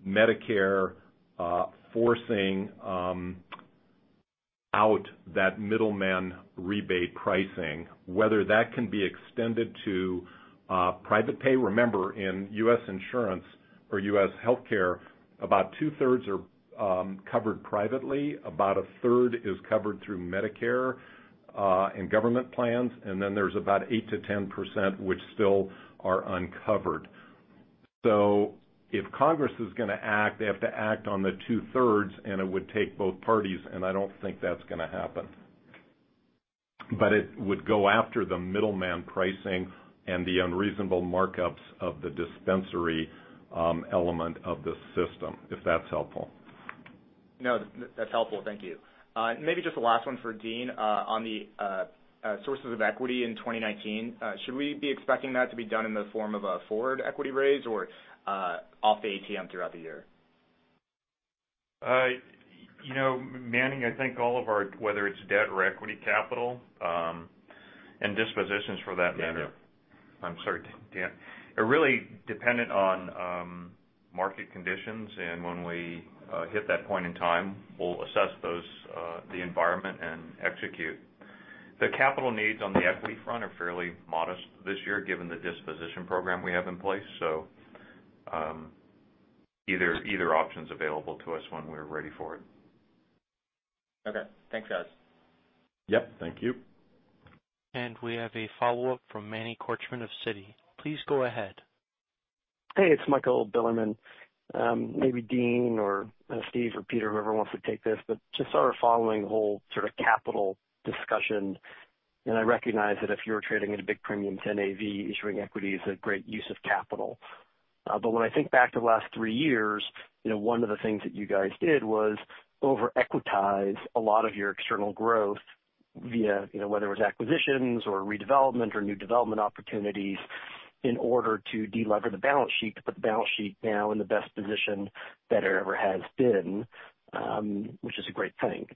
Medicare forcing out that middleman rebate pricing, whether that can be extended to private pay. Remember, in U.S. insurance or U.S. healthcare, about two-thirds are covered privately, about a third is covered through Medicare, and government plans, and then there's about 8%-10%, which still are uncovered. If Congress is going to act, they have to act on the two-thirds, and it would take both parties, and I don't think that's going to happen. It would go after the middleman pricing and the unreasonable markups of the dispensary element of the system, if that's helpful.
No, that's helpful. Thank you. Maybe just the last one for Dean on the sources of equity in 2019. Should we be expecting that to be done in the form of a forward equity raise or off the ATM throughout the year?
Manny, I think whether it's debt or equity capital, dispositions for that matter. Yeah. I'm sorry, Dan. They're really dependent on market conditions. When we hit that point in time, we'll assess the environment and execute. The capital needs on the equity front are fairly modest this year, given the disposition program we have in place. Either option's available to us when we're ready for it.
Okay. Thanks, guys.
Yep, thank you.
We have a follow-up from Manny Korchman of Citi. Please go ahead.
Hey, it's Michael Bilerman. Maybe Dean or Steve or Peter, whoever wants to take this. Just sort of following the whole sort of capital discussion, and I recognize that if you're trading at a big premium to NAV, issuing equity is a great use of capital. When I think back to the last three years, one of the things that you guys did was over-equitize a lot of your external growth via, whether it was acquisitions or redevelopment or new development opportunities in order to de-lever the balance sheet, to put the balance sheet now in the best position that it ever has been, which is a great thing.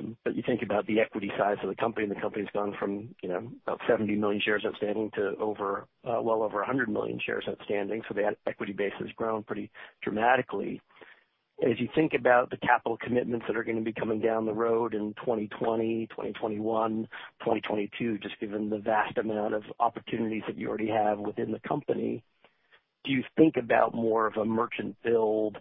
You think about the equity size of the company, and the company's gone from about 70 million shares outstanding to well over 100 million shares outstanding. That equity base has grown pretty dramatically. As you think about the capital commitments that are going to be coming down the road in 2020, 2021, 2022, just given the vast amount of opportunities that you already have within the company, do you think about more of a merchant build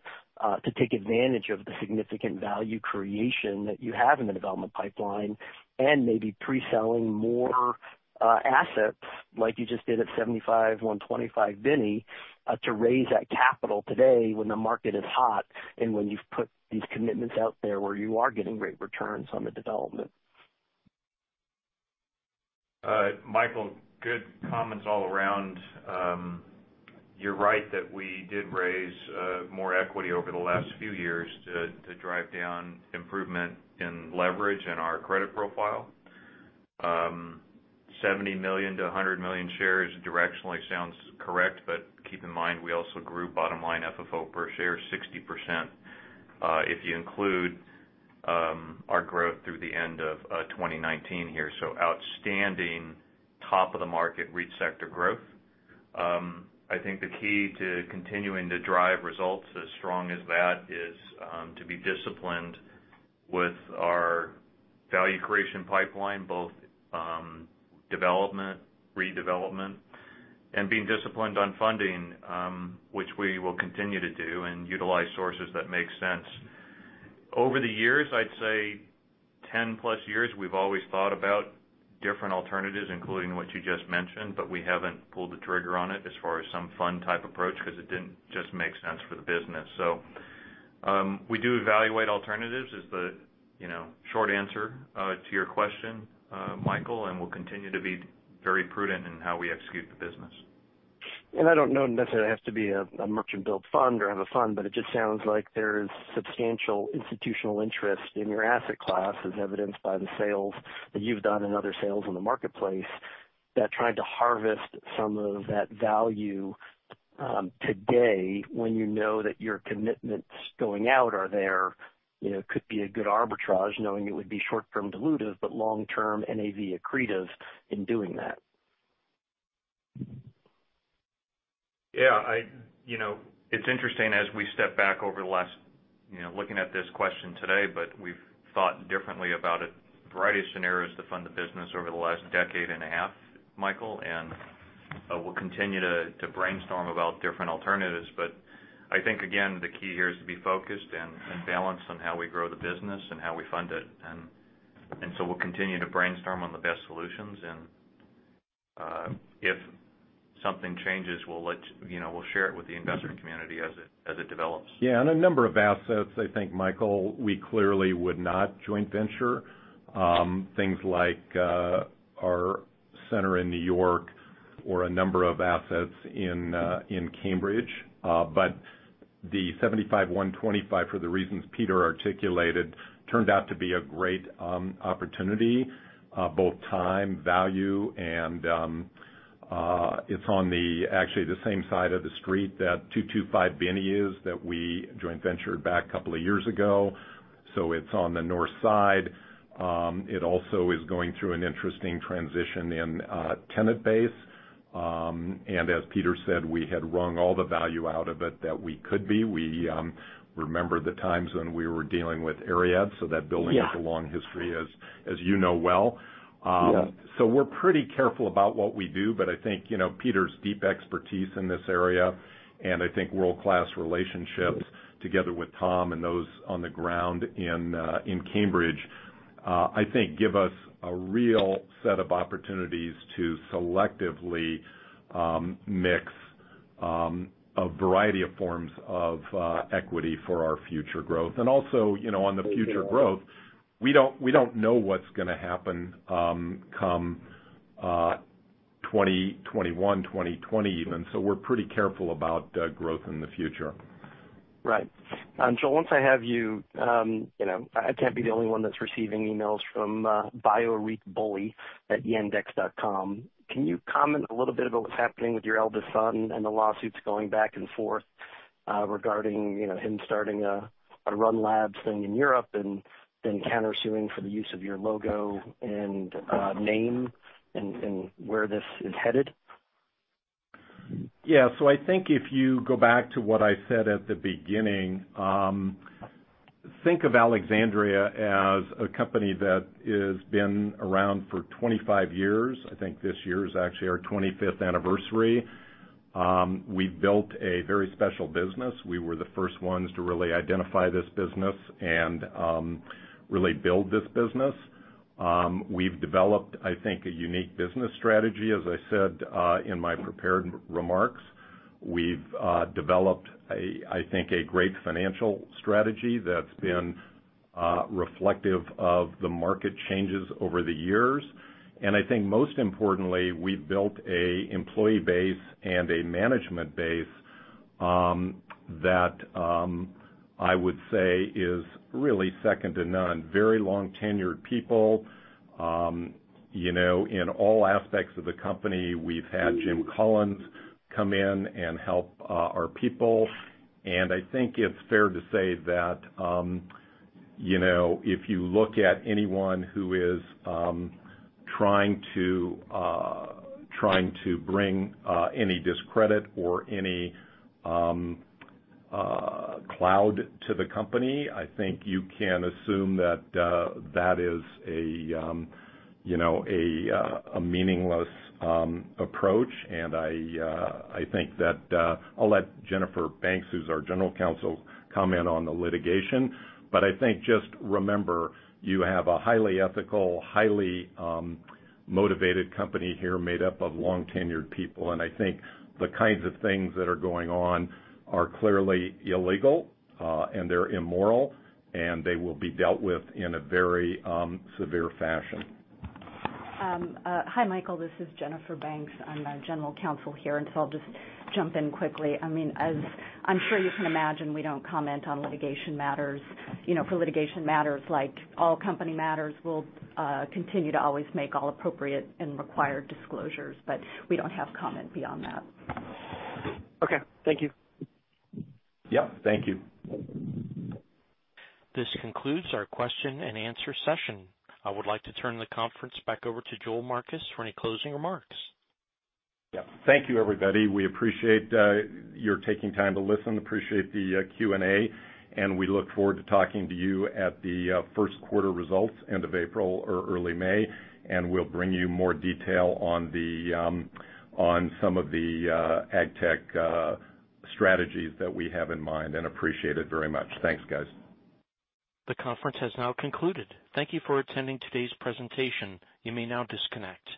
to take advantage of the significant value creation that you have in the development pipeline and maybe pre-selling more assets like you just did at 75/125 Binney to raise that capital today when the market is hot and when you've put these commitments out there where you are getting great returns on the development?
Michael, good comments all around. You're right that we did raise more equity over the last few years to drive down improvement in leverage in our credit profile. 70 million-100 million shares directionally sounds correct, but keep in mind, we also grew bottom-line FFO per share 60%, if you include our growth through the end of 2019 here. Outstanding top-of-the-market REIT sector growth. I think the key to continuing to drive results as strong as that is to be disciplined with our value creation pipeline, both development, redevelopment, and being disciplined on funding, which we will continue to do and utilize sources that make sense. Over the years, I'd say 10+ years, we've always thought about different alternatives, including what you just mentioned, but we haven't pulled the trigger on it as far as some fund type approach, because it didn't just make sense for the business. We do evaluate alternatives is the short answer to your question, Michael, and we'll continue to be very prudent in how we execute the business.
I don't know necessarily it has to be a merchant build fund or have a fund, but it just sounds like there's substantial institutional interest in your asset class as evidenced by the sales that you've done and other sales in the marketplace that trying to harvest some of that value today when you know that your commitments going out are there could be a good arbitrage knowing it would be short-term dilutive, but long-term NAV accretive in doing that.
Yeah. It's interesting as we step back over the last looking at this question today, but we've thought differently about a variety of scenarios to fund the business over the last decade and a half, Michael. We'll continue to brainstorm about different alternatives. I think, again, the key here is to be focused and balanced on how we grow the business and how we fund it. We'll continue to brainstorm on the best solutions, and if something changes, we'll share it with the investor community as it develops.
Yeah. A number of assets, I think, Michael, we clearly would not joint venture. Things like our center in New York or a number of assets in Cambridge. The 75/125, for the reasons Peter articulated, turned out to be a great opportunity, both time, value, and it's on actually the same side of the street that 225 Binney is, that we joint ventured back a couple of years ago. It's on the North side. It also is going through an interesting transition in tenant base. As Peter said, we had wrung all the value out of it that we could be. We remember the times when we were dealing with ARIAD, so that building has a long history, as you know well.
Yeah.
We're pretty careful about what we do, but I think Peter's deep expertise in this area, and I think world-class relationships together with Tom and those on the ground in Cambridge, I think give us a real set of opportunities to selectively mix a variety of forms of equity for our future growth. Also, on the future growth, we don't know what's going to happen come 2021, 2020 even. We're pretty careful about growth in the future.
Right. Joel, once I have you, I can't be the only one that's receiving emails from bioritbully@yandex.com. Can you comment a little bit about what's happening with your eldest son and the lawsuits going back and forth regarding him starting a run labs thing in Europe and then countersuing for the use of your logo and name, and where this is headed?
I think if you go back to what I said at the beginning, think of Alexandria as a company that has been around for 25 years. I think this year is actually our 25th anniversary. We've built a very special business. We were the first ones to really identify this business and really build this business. We've developed, I think, a unique business strategy, as I said in my prepared remarks. We've developed, I think, a great financial strategy that's been reflective of the market changes over the years. I think most importantly, we've built an employee base and a management base that I would say is really second to none. Very long-tenured people in all aspects of the company. We've had Jim Collins come in and help our people. I think it's fair to say that if you look at anyone who is trying to bring any discredit or any cloud to the company, I think you can assume that is a meaningless approach. I think that I'll let Jennifer Banks, who's our general counsel, comment on the litigation. I think just remember, you have a highly ethical, highly motivated company here made up of long-tenured people. I think the kinds of things that are going on are clearly illegal, and they're immoral, and they will be dealt with in a very severe fashion.
Hi, Michael. This is Jennifer Banks. I'm the general counsel here, I'll just jump in quickly. I'm sure you can imagine we don't comment on litigation matters. For litigation matters, like all company matters, we'll continue to always make all appropriate and required disclosures, we don't have comment beyond that.
Thank you.
Yep. Thank you.
This concludes our question and answer session. I would like to turn the conference back over to Joel Marcus for any closing remarks.
Yeah. Thank you, everybody. We appreciate your taking time to listen, appreciate the Q&A, and we look forward to talking to you at the first quarter results end of April or early May. We'll bring you more detail on some of the AgTech strategies that we have in mind and appreciate it very much. Thanks, guys.
The conference has now concluded. Thank you for attending today's presentation. You may now disconnect.